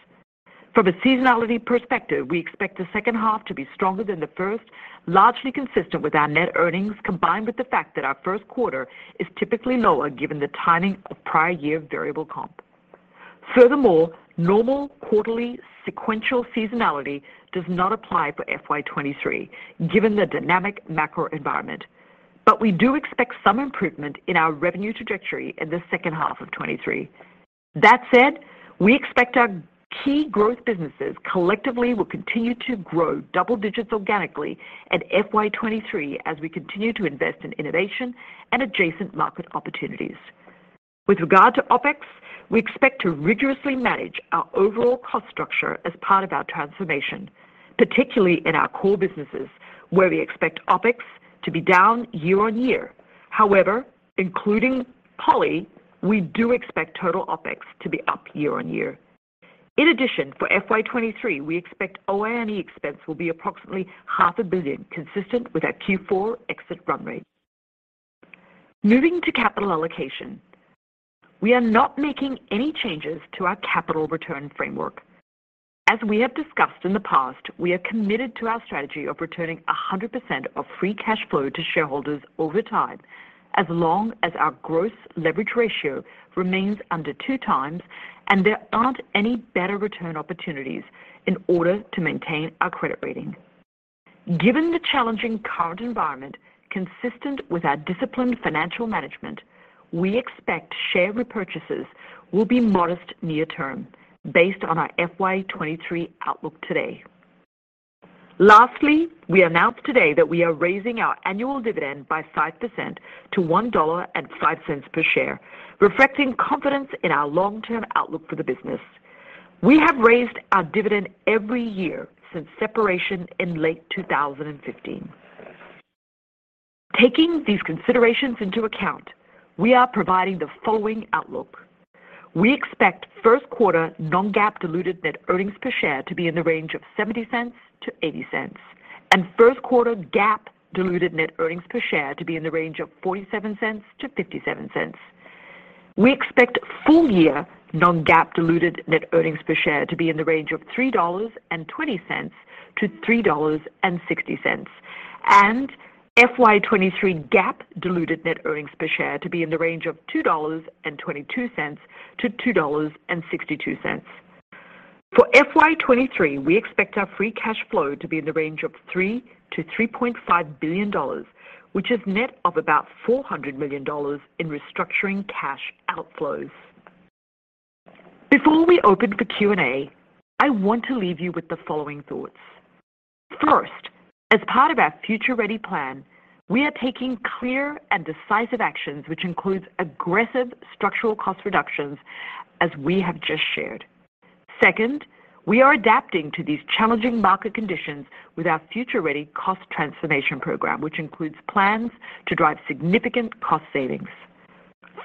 From a seasonality perspective, we expect the second half to be stronger than the first, largely consistent with our net earnings, combined with the fact that our first quarter is typically lower given the timing of prior year variable comp. Furthermore, normal quarterly sequential seasonality does not apply for FY 2023, given the dynamic macro environment. We do expect some improvement in our revenue trajectory in the second half of 2023. That said, we expect our key growth businesses collectively will continue to grow double-digits organically in FY 2023 as we continue to invest in innovation and adjacent market opportunities. With regard to OpEx, we expect to rigorously manage our overall cost structure as part of our transformation, particularly in our core businesses, where we expect OpEx to be down year-on-year. Including Poly, we do expect total OpEx to be up year-on-year. For FY 2023, we expect OIE expense will be approximately half a billion, consistent with our Q4 exit run rate. Moving to capital allocation. We are not making any changes to our capital return framework. As we have discussed in the past, we are committed to our strategy of returning 100% of free cash flow to shareholders over time, as long as our gross leverage ratio remains under 2x and there aren't any better return opportunities in order to maintain our credit rating. Given the challenging current environment, consistent with our disciplined financial management, we expect share repurchases will be modest near term based on our FY 2023 outlook today. We announced today that we are raising our annual dividend by 5% to $1.05 per share, reflecting confidence in our long-term outlook for the business. We have raised our dividend every year since separation in late 2015. Taking these considerations into account, we are providing the following outlook. We expect first quarter non-GAAP diluted net earnings per share to be in the range of $0.70-$0.80, and first quarter GAAP diluted net earnings per share to be in the range of $0.47-$0.57. We expect full-year non-GAAP diluted net earnings per share to be in the range of $3.20-$3.60, and FY 2023 GAAP diluted net earnings per share to be in the range of $2.22-$2.62. For FY 2023, we expect our free cash flow to be in the range of $3 billion-$3.5 billion, which is net of about $400 million in restructuring cash outflows. Before we open for Q and A, I want to leave you with the following thoughts. First, as part of our Future Ready plan, we are taking clear and decisive actions, which includes aggressive structural cost reductions, as we have just shared. Second, we are adapting to these challenging market conditions with our Future Ready cost transformation program, which includes plans to drive significant cost savings.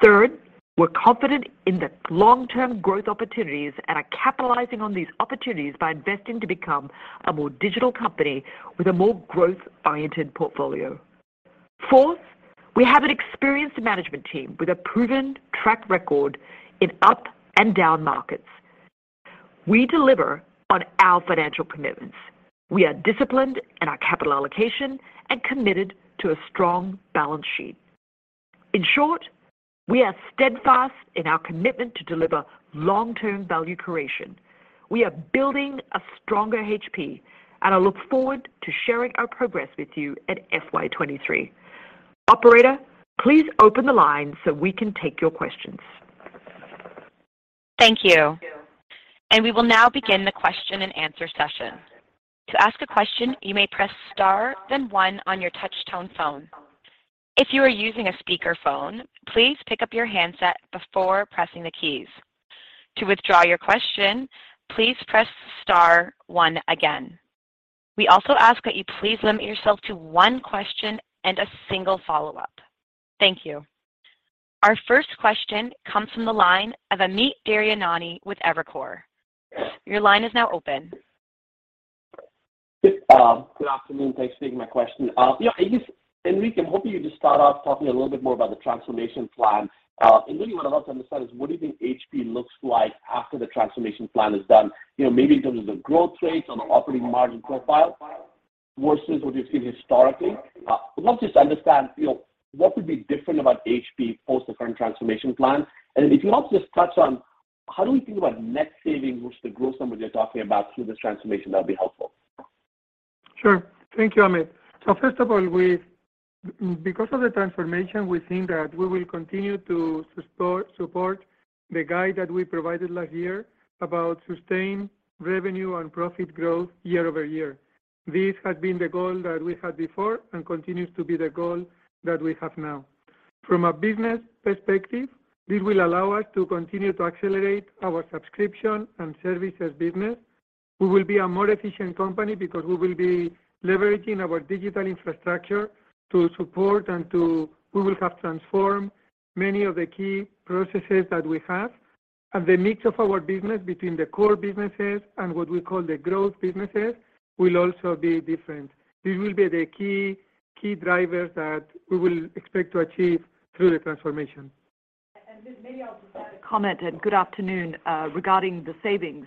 Third, we're confident in the long-term growth opportunities and are capitalizing on these opportunities by investing to become a more digital company with a more growth-oriented portfolio. Fourth, we have an experienced management team with a proven track record in up and down markets. We deliver on our financial commitments. We are disciplined in our capital allocation and committed to a strong balance sheet. In short, we are steadfast in our commitment to deliver long-term value creation. We are building a stronger HP, and I look forward to sharing our progress with you at FY 2023. Operator, please open the lines so we can take your questions. Thank you. We will now begin the question-and-answer session. To ask a question, you may press star one on your touchtone phone. If you are using a speakerphone, please pick up your handset before pressing the keys. To withdraw your question, please press star one again. We also ask that you please limit yourself to one question and a single follow-up. Thank you. Our first question comes from the line of Amit Daryanani with Evercore ISI. Your line is now open. Good afternoon. Thanks for taking my question. You know, I guess, Enrique, I'm hoping you just start off talking a little bit more about the transformation plan. Really what I'd love to understand is what do you think HP looks like after the transformation plan is done? You know, maybe in terms of the growth rates on an operating margin profile versus what you've seen historically. I'd love to just understand, you know, what would be different about HP post the current transformation plan. If you can also just touch on how do we think about net savings versus the growth number you're talking about through this transformation, that'd be helpful. Sure. Thank you, Amit. First of all, because of the transformation, we think that we will continue to support the guide that we provided last year about sustained revenue and profit growth year-over-year. This has been the goal that we had before and continues to be the goal that we have now. From a business perspective, this will allow us to continue to accelerate our subscription and services business. We will be a more efficient company because we will be leveraging our digital infrastructure to support and we will have transformed many of the key processes that we have. The mix of our business between the core businesses and what we call the growth businesses will also be different. This will be the key drivers that we will expect to achieve through the transformation. Maybe I'll just add a comment and good afternoon, regarding the savings.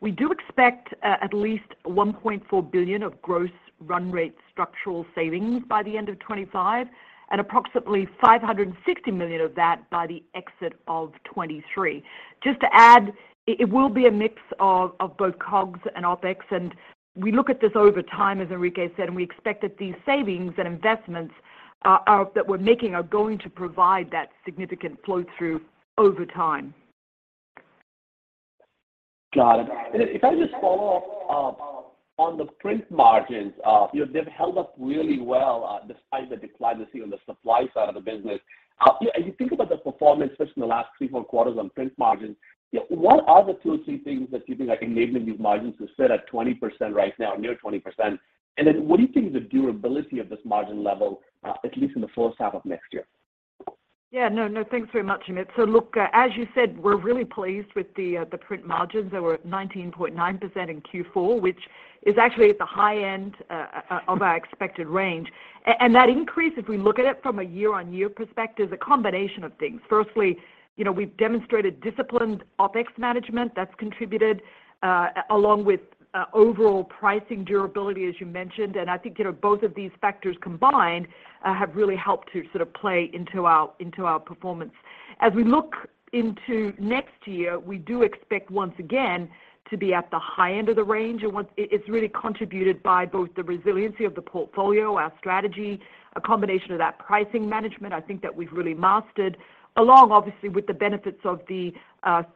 We do expect, at least $1.4 billion of gross run rate structural savings by the end of 2025 and approximately $560 million of that by the exit of 2023. Just to add, it will be a mix of both COGS and OpEx, and we look at this over time, as Enrique said, and we expect that these savings and investments that we're making are going to provide that significant flow-through over time. Got it. If I just follow up, on the print margins, you know, they've held up really well, despite the decline we see on the supply side of the business. You know, as you think about the performance just in the last three, four quarters on print margins, you know, what are the two or three things that you think are enabling these margins to sit at 20% right now, near 20%? Then what do you think is the durability of this margin level, at least in the first half of next year? Yeah, no. Thanks very much, Amit. Look, as you said, we're really pleased with the print margins. They were 19.9% in Q4, which is actually at the high end of our expected range. That increase, if we look at it from a year-on-year perspective, is a combination of things. Firstly, you know, we've demonstrated disciplined OpEx management that's contributed along with overall pricing durability, as you mentioned. I think, you know, both of these factors combined have really helped to sort of play into our, into our performance. As we look into next year, we do expect, once again, to be at the high end of the range. It's really contributed by both the resiliency of the portfolio, our strategy, a combination of that pricing management I think that we've really mastered, along obviously with the benefits of the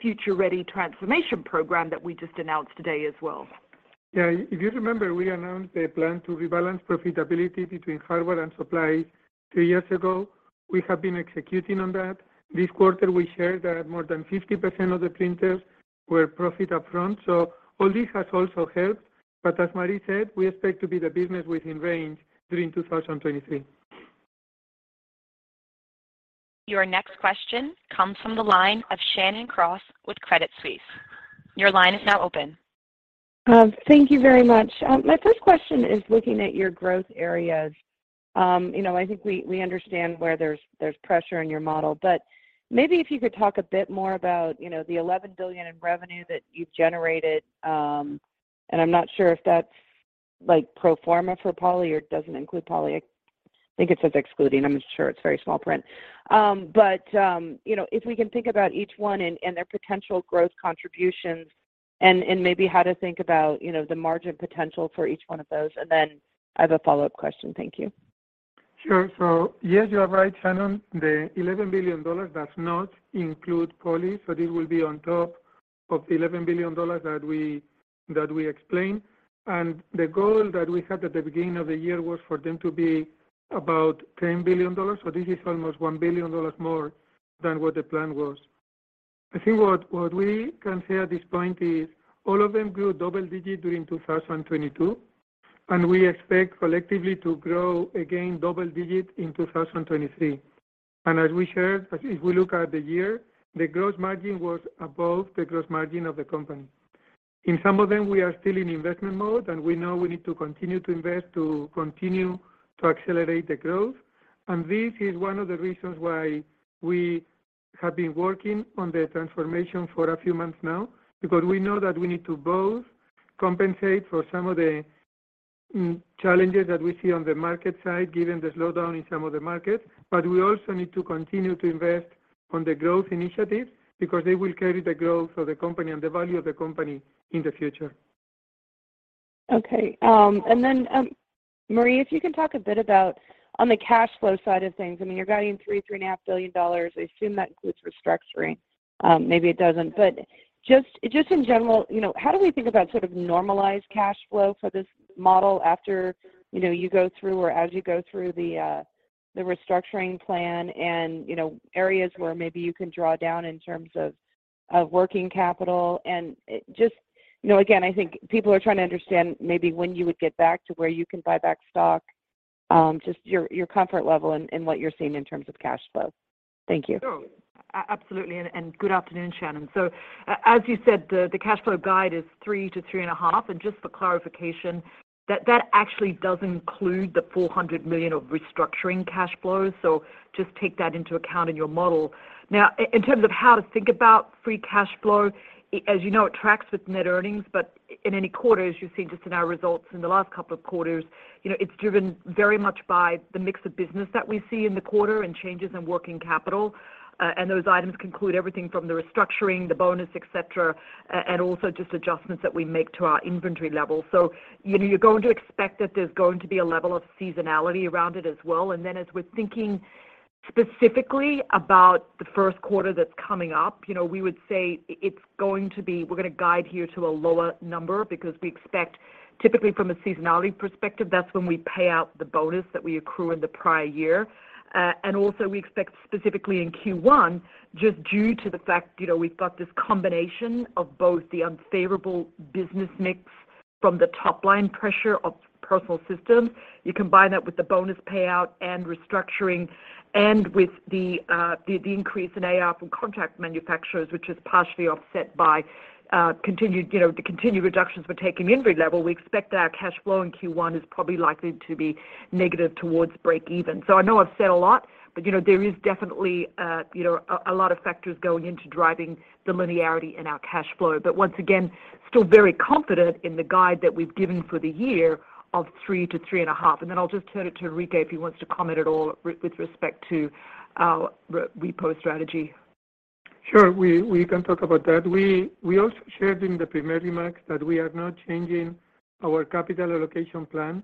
Future Ready transformation program that we just announced today as well. Yeah. If you remember, we announced a plan to rebalance profitability between hardware and supply three years ago. We have been executing on that. This quarter, we shared that more than 50% of the printers were profit up-front, so all this has also helped. As Marie said, we expect to be the business within range during 2023. Your next question comes from the line of Shannon Cross with Credit Suisse. Your line is now open. Thank you very much. My first question is looking at your growth areas. You know, I think we understand where there's pressure in your model. Maybe if you could talk a bit more about, you know, the $11 billion in revenue that you generated, and I'm not sure if that's like pro forma for Poly or doesn't include Poly. I think it says excluding. I'm not sure. It's very small print. You know, if we can think about each one and their potential growth contributions and maybe how to think about, you know, the margin potential for each one of those. Then I have a follow-up question. Thank you. Sure. Yes, you are right, Shannon. The $11 billion does not include Poly, so this will be on top of the $11 billion that we explained. The goal that we had at the beginning of the year was for them to be about $10 billion. This is almost $1 billion more than what the plan was. I think what we can say at this point is all of them grew double-digit during 2022, and we expect collectively to grow again double-digit in 2023. As we shared, if we look at the year, the gross margin was above the gross margin of the company. In some of them, we are still in investment mode, and we know we need to continue to invest to continue to accelerate the growth. This is one of the reasons why we have been working on the transformation for a few months now, because we know that we need to both compensate for some of the challenges that we see on the market side, given the slowdown in some of the markets, but we also need to continue to invest on the growth initiatives because they will carry the growth of the company and the value of the company in the future. Okay. Marie, if you can talk a bit about on the cash flow side of things, I mean, you're guiding $3 billion-$3.5 billion. I assume that includes restructuring, maybe it doesn't. Just in general, you know, how do we think about sort of normalized cash flow for this model after, you know, you go through or as you go through the restructuring plan and, you know, areas where maybe you can draw down in terms of working capital? Just, you know, again, I think people are trying to understand maybe when you would get back to where you can buy back stock, just your comfort level and what you're seeing in terms of cash flow. Thank you. Sure. Absolutely. Good afternoon, Shannon. As you said, the cash flow guide is $3 billion to $3.5 billion. Just for clarification, that actually does include the $400 million of restructuring cash flows. Just take that into account in your model. In terms of how to think about free cash flow, as you know, it tracks with net earnings, but in any quarter, as you've seen just in our results in the last couple of quarters, you know, it's driven very much by the mix of business that we see in the quarter and changes in working capital. And those items can include everything from the restructuring, the bonus, et cetera, and also just adjustments that we make to our inventory level. You know, you're going to expect that there's going to be a level of seasonality around it as well. As we're thinking specifically about the first quarter that's coming up, you know, we would say it's going to be. We're gonna guide here to a lower number because we expect typically from a seasonality perspective, that's when we pay out the bonus that we accrue in the prior year. We expect specifically in Q1, just due to the fact, you know, we've got this combination of both the unfavorable business mix from the top line pressure of Personal Systems. You combine that with the bonus payout and restructuring and with the increase in AR from contract manufacturers, which is partially offset by continued, you know, the continued reductions we're taking inventory level, we expect our cash flow in Q1 is probably likely to be negative towards break even. I know I've said a lot, but you know, there is definitely, you know, a lot of factors going into driving the linearity in our cash flow. Once again, still very confident in the guide that we've given for the year of three to 3.5. Then I'll just turn it to Enrique if he wants to comment at all with respect to our repo strategy. Sure. We can talk about that. We also shared in the prepared remarks that we are not changing our capital allocation plan,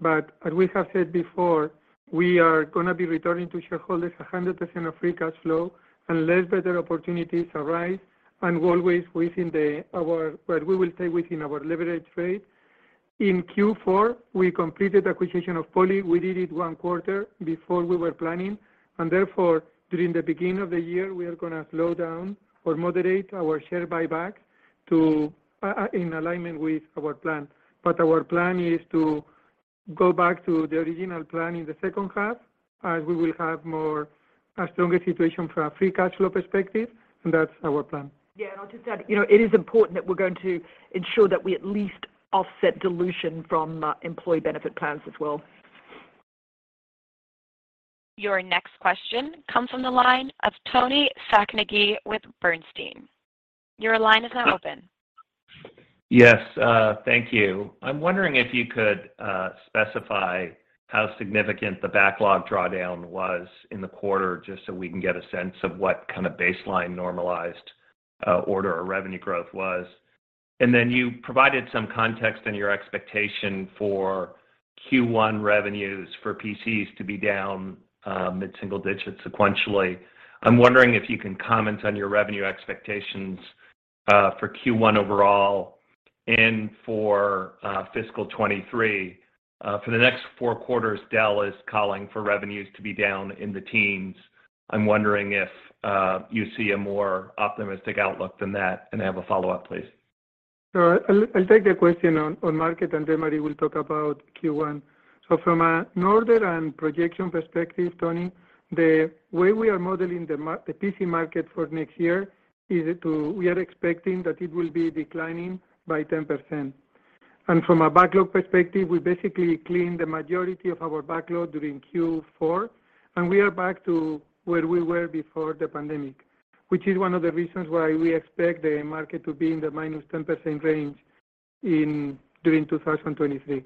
but as we have said before, we are gonna be returning to shareholders 100% of free cash flow unless better opportunities arise and always within our leverage rate. In Q4, we completed acquisition of Poly. We did it one quarter before we were planning, and therefore, during the beginning of the year, we are gonna slow down or moderate our share buyback to in alignment with our plan. Our plan is to go back to the original plan in the second half as we will have more, a stronger situation from a free cash flow perspective, That's our plan. Yeah. I'll just add, you know, it is important that we're going to ensure that we at least offset dilution from employee benefit plans as well. Your next question comes from the line of Toni Sacconaghi with Bernstein. Your line is now open. Yes, thank you. I'm wondering if you could specify how significant the backlog drawdown was in the quarter, just so we can get a sense of what kind of baseline normalized order or revenue growth was. You provided some context in your expectation for Q1 revenues for PCs to be down mid-single digits sequentially. I'm wondering if you can comment on your revenue expectations for Q1 overall and for fiscal 2023. For the next four quarters, Dell is calling for revenues to be down in the teens. I'm wondering if you see a more optimistic outlook than that. I have a follow-up, please. I'll take the question on market, and then Marie will talk about Q1. From an order and projection perspective, Toni, the way we are modeling the PC market for next year is to... We are expecting that it will be declining by 10%. From a backlog perspective, we basically cleaned the majority of our backlog during Q4, and we are back to where we were before the pandemic, which is one of the reasons why we expect the market to be in the -10% range during 2023.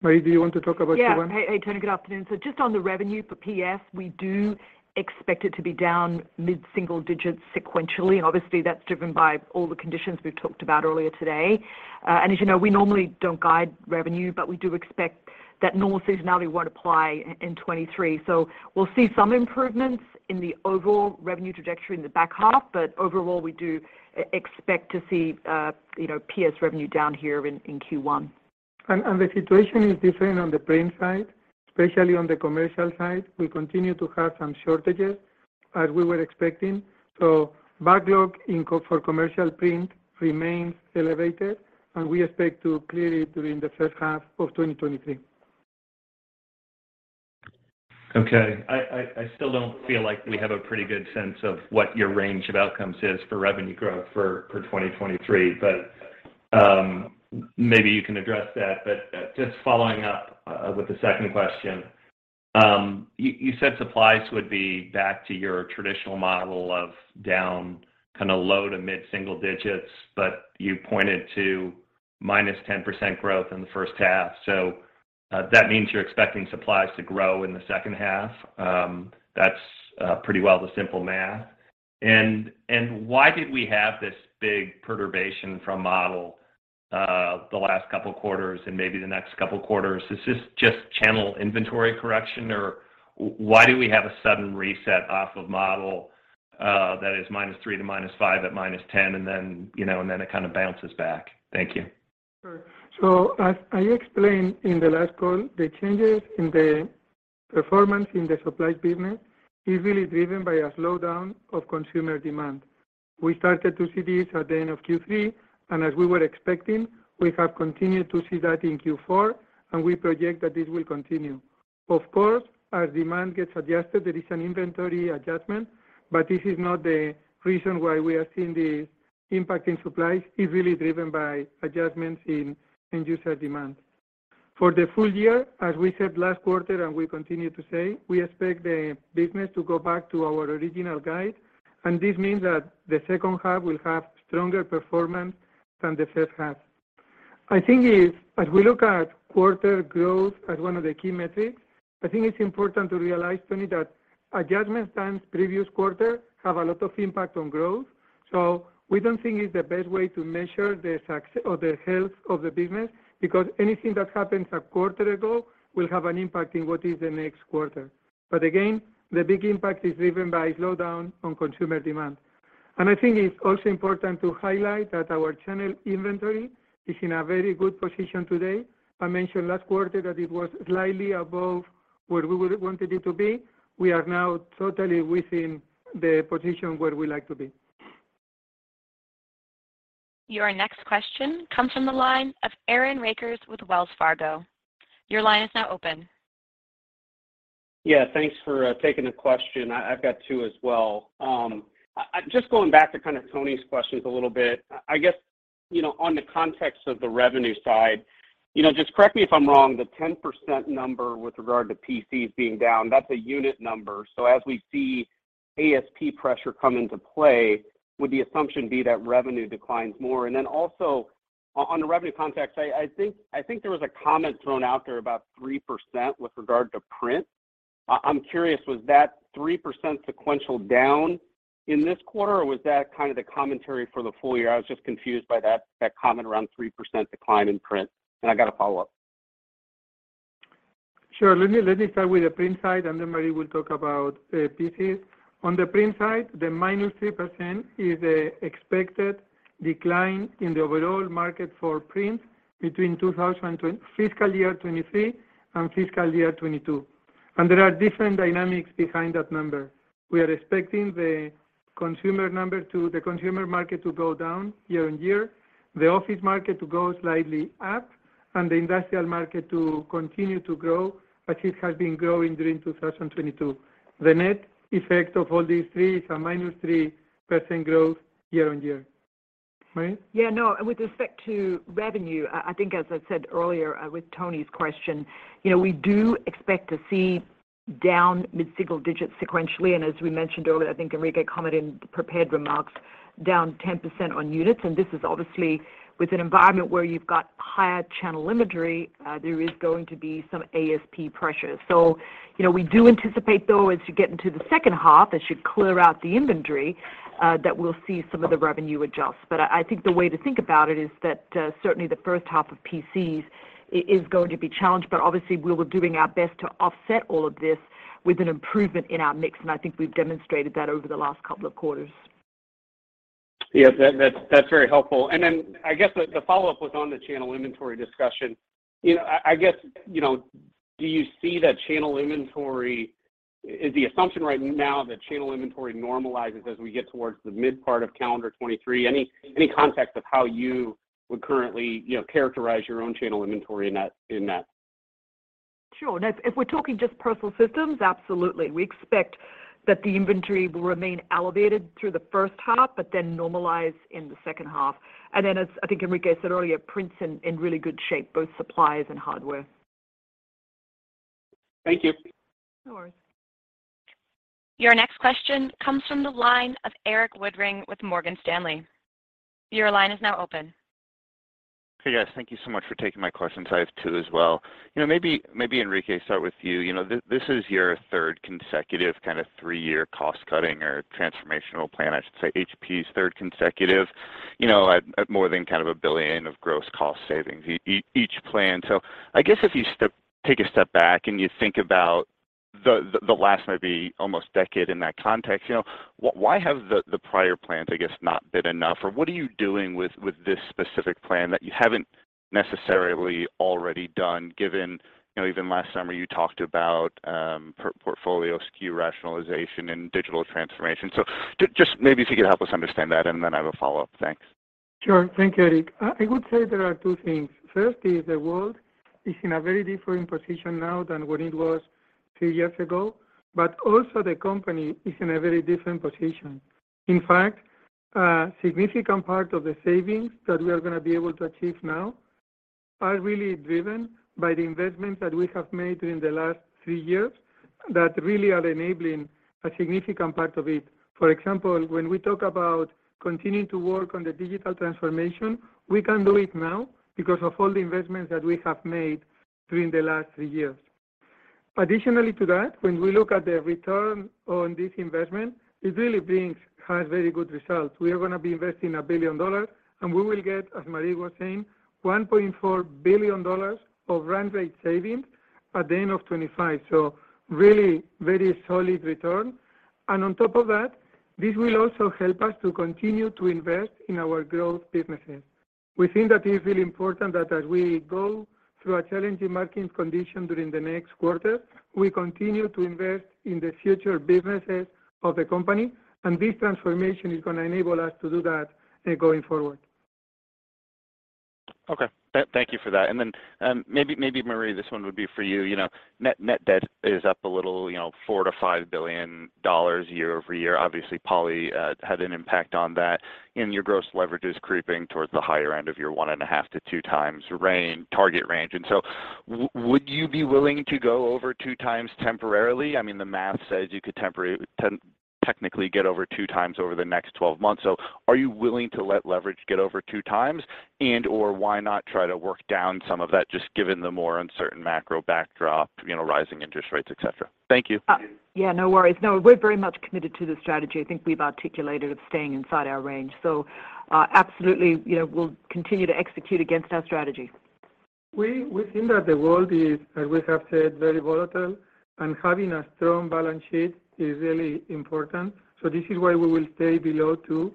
Marie, do you want to talk about Q1? Yeah. Hey, Toni. Good afternoon. Just on the revenue for PS, we do expect it to be down mid-single digits sequentially. Obviously that's driven by all the conditions we've talked about earlier today. As you know, we normally don't guide revenue. We do expect that normal seasonality won't apply in 2023. We'll see some improvements in the overall revenue trajectory in the back half. Overall, we do expect to see, you know, PS revenue down here in Q1. The situation is different on the print side, especially on the commercial side. We continue to have some shortages as we were expecting. Backlog for commercial print remains elevated, and we expect to clear it during the first half of 2023. Okay. I still don't feel like we have a pretty good sense of what your range of outcomes is for revenue growth for 2023. Maybe you can address that. Just following up with the second question. You said supplies would be back to your traditional model of down kinda low to mid-single digits, you pointed to -10% growth in the first half. That means you're expecting supplies to grow in the second half. That's pretty well the simple math. Why did we have this big perturbation from model the last couple of quarters and maybe the next couple of quarters? Is this just channel inventory correction, or why do we have a sudden reset off of model, that is -three to -five at -10 and then, you know, and then it kind of bounces back? Thank you. Sure. As I explained in the last call, the changes in the performance in the supply business is really driven by a slowdown of consumer demand. We started to see this at the end of Q3. As we were expecting, we have continued to see that in Q4. We project that this will continue. Of course, as demand gets adjusted, there is an inventory adjustment. This is not the reason why we are seeing the impact in supply. It's really driven by adjustments in user demand. For the full year, as we said last quarter, we continue to say, we expect the business to go back to our original guide. This means that the second half will have stronger performance than the first half. I think it's... As we look at quarter growth as one of the key metrics, I think it's important to realize, Toni, that adjustments times previous quarter have a lot of impact on growth. We don't think it's the best way to measure the or the health of the business because anything that happens a quarter ago will have an impact in what is the next quarter. Again, the big impact is driven by slowdown on consumer demand. I think it's also important to highlight that our channel inventory is in a very good position today. I mentioned last quarter that it was slightly above where we would have wanted it to be. We are now totally within the position where we like to be. Your next question comes from the line of Aaron Rakers with Wells Fargo. Your line is now open. Yeah. Thanks for taking a question. I've got two as well. Just going back to kind of Toni's questions a little bit. I guess, you know, on the context of the revenue side, you know, just correct me if I'm wrong, the 10% number with regard to PCs being down, that's a unit number. As we see ASP pressure come into play, would the assumption be that revenue declines more? Then also on the revenue context, I think there was a comment thrown out there about 3% with regard to print. I'm curious, was that 3% sequential down in this quarter, or was that kind of the commentary for the full year? I was just confused by that comment around 3% decline in print. I got a follow-up. Sure. Let me start with the print side, Marie will talk about PCs. On the print side, the -3% is a expected decline in the overall market for print between fiscal year 2023 and fiscal year 2022, there are different dynamics behind that number. We are expecting the consumer market to go down year on year, the office market to go slightly up, the industrial market to continue to grow as it has been growing during 2022. The net effect of all these three is a -3% growth year on year. Marie? Yeah, no. With respect to revenue, I think as I said earlier, with Toni's question, you know, we do expect to see down mid-single digits sequentially, and as we mentioned earlier, I think Enrique commented in prepared remarks, down 10% on units. This is obviously with an environment where you've got higher channel inventory, there is going to be some ASP pressure. You know, we do anticipate though as you get into the second half, as you clear out the inventory, that we'll see some of the revenue adjust. I think the way to think about it is that, certainly the first half of PCs is going to be challenged, but obviously we're doing our best to offset all of this with an improvement in our mix, and I think we've demonstrated that over the last couple of quarters. Yes. That's very helpful. I guess the follow-up was on the channel inventory discussion. You know, I guess, you know, do you see that channel inventory. Is the assumption right now that channel inventory normalizes as we get towards the mid part of calendar 2023? Any context of how you would currently, you know, characterize your own channel inventory in that? Sure. If we're talking just personal systems, absolutely. We expect that the inventory will remain elevated through the first half but then normalize in the second half. Then as I think Enrique said earlier, print's in really good shape, both supplies and hardware. Thank you. No worries. Your next question comes from the line of Erik Woodring with Morgan Stanley. Your line is now open. Hey, guys. Thank you so much for taking my questions. I have two as well. You know, maybe, Enrique, start with you. You know, this is your third consecutive kind of three-year cost-cutting or transformational plan, I should say HP's third consecutive, you know, at more than kind of a $1 billion of gross cost savings each plan. I guess if you take a step back and you think about the, the last maybe almost decade in that context, you know, why have the prior plans, I guess, not been enough? What are you doing with this specific plan that you haven't necessarily already done given, you know, even last summer you talked about portfolio SKU rationalization and digital transformation. Just maybe if you could help us understand that, and then I have a follow-up. Thanks. Sure. Thank you, Erik. I would say there are two things. First is the world is in a very different position now than what it was two years ago, but also the company is in a very different position. In fact, a significant part of the savings that we are gonna be able to achieve now are really driven by the investments that we have made during the last three years that really are enabling a significant part of it. For example, when we talk about continuing to work on the digital transformation, we can do it now because of all the investments that we have made during the last three years. Additionally to that, when we look at the return on this investment, it really has very good results. We are gonna be investing $1 billion, and we will get, as Marie was saying, $1.4 billion of run rate savings at the end of 2025. Really very solid return. On top of that, this will also help us to continue to invest in our growth businesses. We think that is really important that as we go through a challenging market condition during the next quarter, we continue to invest in the future businesses of the company, and this transformation is gonna enable us to do that going forward. Okay. Thank you for that. Then, maybe Marie, this one would be for you. You know, net debt is up a little, you know, $4 billion-$5 billion year-over-year. Obviously, Poly had an impact on that, and your gross leverage is creeping towards the higher end of your 1.5x to 2x range, target range. Would you be willing to go over 2x temporarily? I mean, the math says you could technically get over 2x over the next 12 months. Are you willing to let leverage get over 2x? Or why not try to work down some of that, just given the more uncertain macro backdrop, you know, rising interest rates, et cetera? Thank you. Yeah, no worries. No, we're very much committed to the strategy. I think we've articulated of staying inside our range. Absolutely, you know, we'll continue to execute against our strategy. We think that the world is, as we have said, very volatile, and having a strong balance sheet is really important. This is why we will stay below two.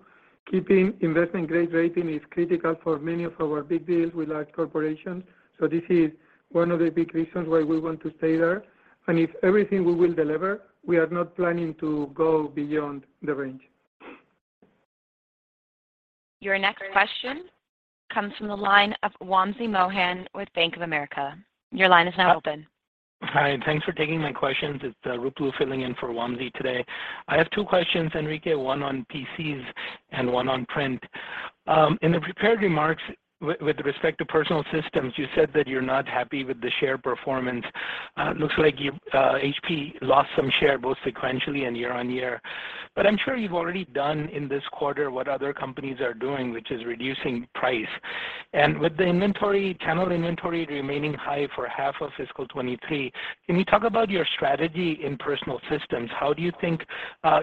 Keeping investment grade rating is critical for many of our big deals with large corporations. This is one of the big reasons why we want to stay there. If everything we will deliver, we are not planning to go beyond the range. Your next question comes from the line of Wamsi Mohan with Bank of America. Your line is now open. Hi, thanks for taking my questions. It's Ruplu filling in for Wamsi today. I have two questions, Enrique, one on PCs and one on print. In the prepared remarks with respect to personal systems, you said that you're not happy with the share performance. looks like HP lost some share both sequentially and year-on-year. I'm sure you've already done in this quarter what other companies are doing, which is reducing price. With the inventory, channel inventory remaining high for half of fiscal 2023, can you talk about your strategy in personal systems? How do you think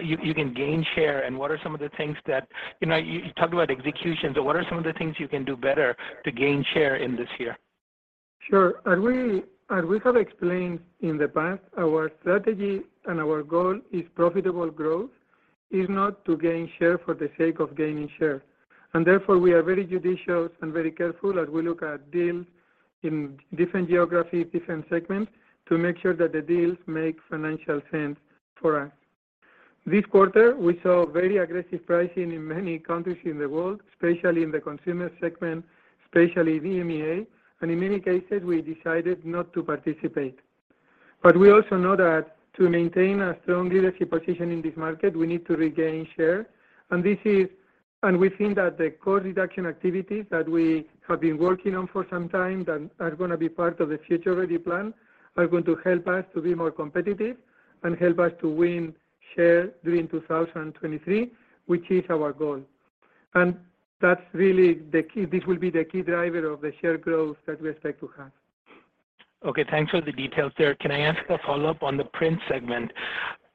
you can gain share, and what are some of the things that... You know, you talked about execution, what are some of the things you can do better to gain share in this year? Sure. As we have explained in the past, our strategy and our goal is profitable growth. It's not to gain share for the sake of gaining share. Therefore, we are very judicious and very careful as we look at deals in different geographies, different segments, to make sure that the deals make financial sense for us. This quarter, we saw very aggressive pricing in many countries in the world, especially in the consumer segment, especially EMEA, and in many cases, we decided not to participate. We also know that to maintain a strong leadership position in this market, we need to regain share. We think that the cost reduction activities that we have been working on for some time that are gonna be part of the Future Ready plan are going to help us to be more competitive and help us to win share during 2023, which is our goal. That's really the key. This will be the key driver of the share growth that we expect to have. Okay, thanks for the details there. Can I ask a follow-up on the print segment?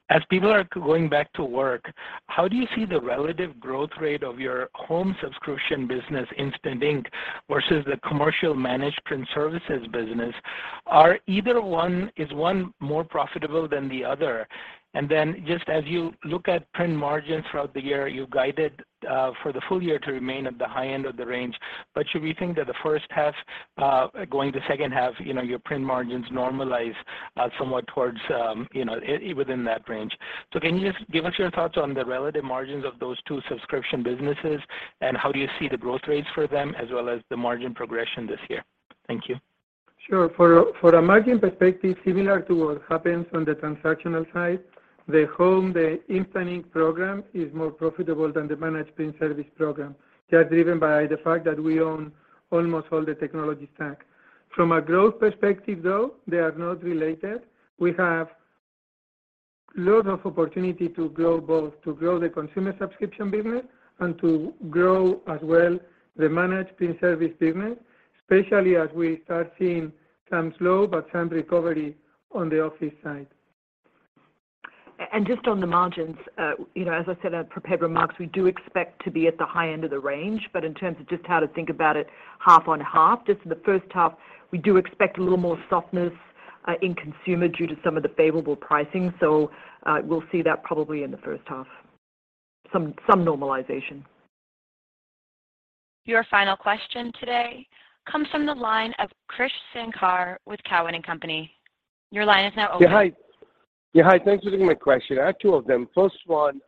As people are going back to work, how do you see the relative growth rate of your home subscription business, Instant Ink, versus the commercial managed print services business? Is one more profitable than the other? Then just as you look at print margins throughout the year, you guided for the full year to remain at the high end of the range. Should we think that the first half going to second half, you know, your print margins normalize somewhat towards, you know, within that range? Can you just give us your thoughts on the relative margins of those two subscription businesses, and how do you see the growth rates for them, as well as the margin progression this year? Thank you. For a margin perspective, similar to what happens on the transactional side, the Instant Ink program is more profitable than the managed print service program. They are driven by the fact that we own almost all the technology stack. From a growth perspective, though, they are not related. We have lots of opportunity to grow both, to grow the consumer subscription business and to grow as well the managed print service business, especially as we start seeing some slow but some recovery on the office side. Just on the margins, you know, as I said on prepared remarks, we do expect to be at the high end of the range. In terms of just how to think about it half on half, just in the first half, we do expect a little more softness in consumer due to some of the favorable pricing. We'll see that probably in the first half, some normalization. Your final question today comes from the line of Krish Sankar with Cowen and Company. Your line is now open. Yeah, hi. Thanks for taking my question. I have two of them. First one,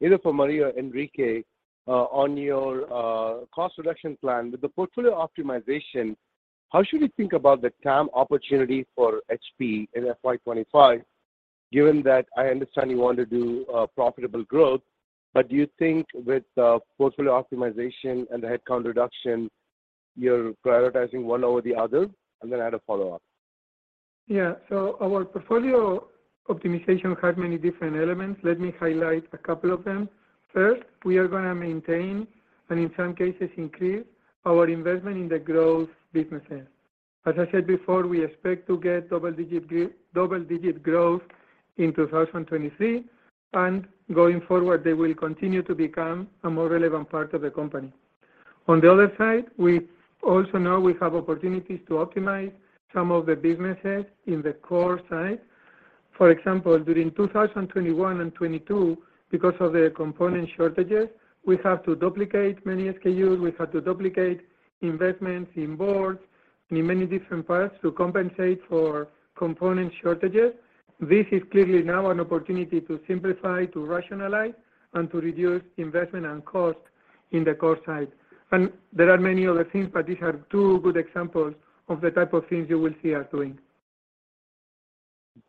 either for Marie or Enrique, on your cost reduction plan. With the portfolio optimization, how should we think about the TAM opportunity for HP in FY 2025, given that I understand you want to do profitable growth, but do you think with portfolio optimization and the headcount reduction, you're prioritizing one over the other? Then I had a follow-up. Our portfolio optimization has many different elements. Let me highlight a couple of them. First, we are gonna maintain and in some cases increase our investment in the growth businesses. As I said before, we expect to get double digit growth in 2023, and going forward, they will continue to become a more relevant part of the company. On the other side, we also know we have opportunities to optimize some of the businesses in the core side. For example, during 2021 and 2022, because of the component shortages, we have to duplicate many SKUs, we have to duplicate investments in boards and in many different parts to compensate for component shortages. This is clearly now an opportunity to simplify, to rationalize, and to reduce investment and cost in the core side. There are many other things, but these are two good examples of the type of things you will see us doing.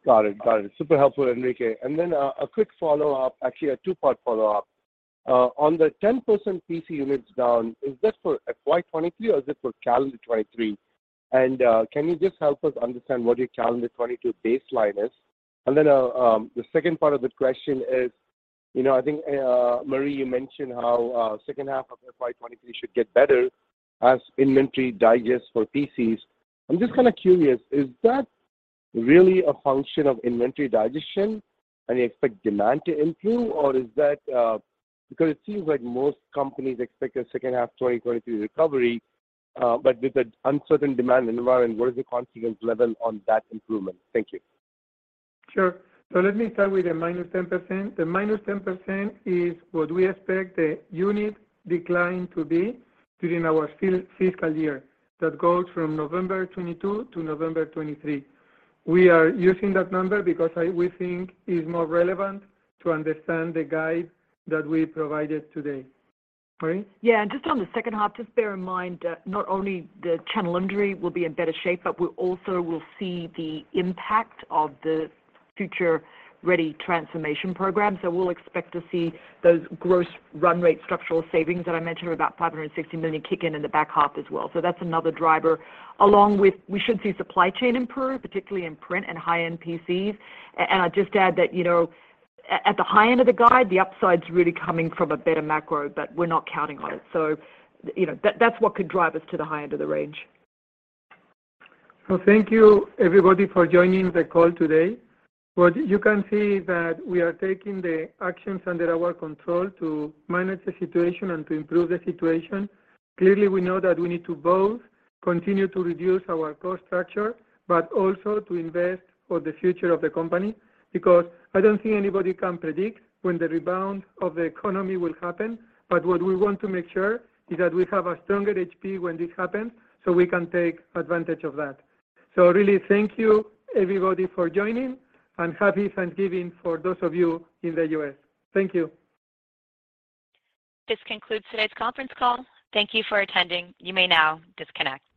Got it. Got it. Super helpful, Enrique. A quick follow-up, actually a two-part follow-up. On the 10% PC units down, is this for FY 2023 or is it for calendar 2023? Can you just help us understand what your calendar 2022 baseline is? The second part of the question is, you know, I think Marie, you mentioned how second half of FY 2023 should get better as inventory digests for PCs. I'm just kinda curious, is that really a function of inventory digestion and you expect demand to improve or is that? Because it seems like most companies expect a second half 2023 recovery, but with the uncertain demand environment, what is the confidence level on that improvement? Thank you. Sure. Let me start with the -10%. The -10% is what we expect the unit decline to be during our fiscal year that goes from November 22 to November 23. We are using that number because we think is more relevant to understand the guide that we provided today. Marie? Yeah. Just on the second half, just bear in mind that not only the channel inventory will be in better shape, but we also will see the impact of the Future Ready transformation program. We'll expect to see those gross run rate structural savings that I mentioned are about $560 million kick in the back half as well. That's another driver. Along with we should see supply chain improve, particularly in print and high-end PCs. I'd just add that, you know, at the high end of the guide, the upside's really coming from a better macro, but we're not counting on it. You know, that's what could drive us to the high end of the range. Thank you everybody for joining the call today. You can see that we are taking the actions under our control to manage the situation and to improve the situation. Clearly, we know that we need to both continue to reduce our cost structure, but also to invest for the future of the company, because I don't think anybody can predict when the rebound of the economy will happen. What we want to make sure is that we have a stronger HP when this happens, so we can take advantage of that. Really thank you everybody for joining and happy Thanksgiving for those of you in the U.S. Thank you. This concludes today's conference call. Thank you for attending. You may now disconnect.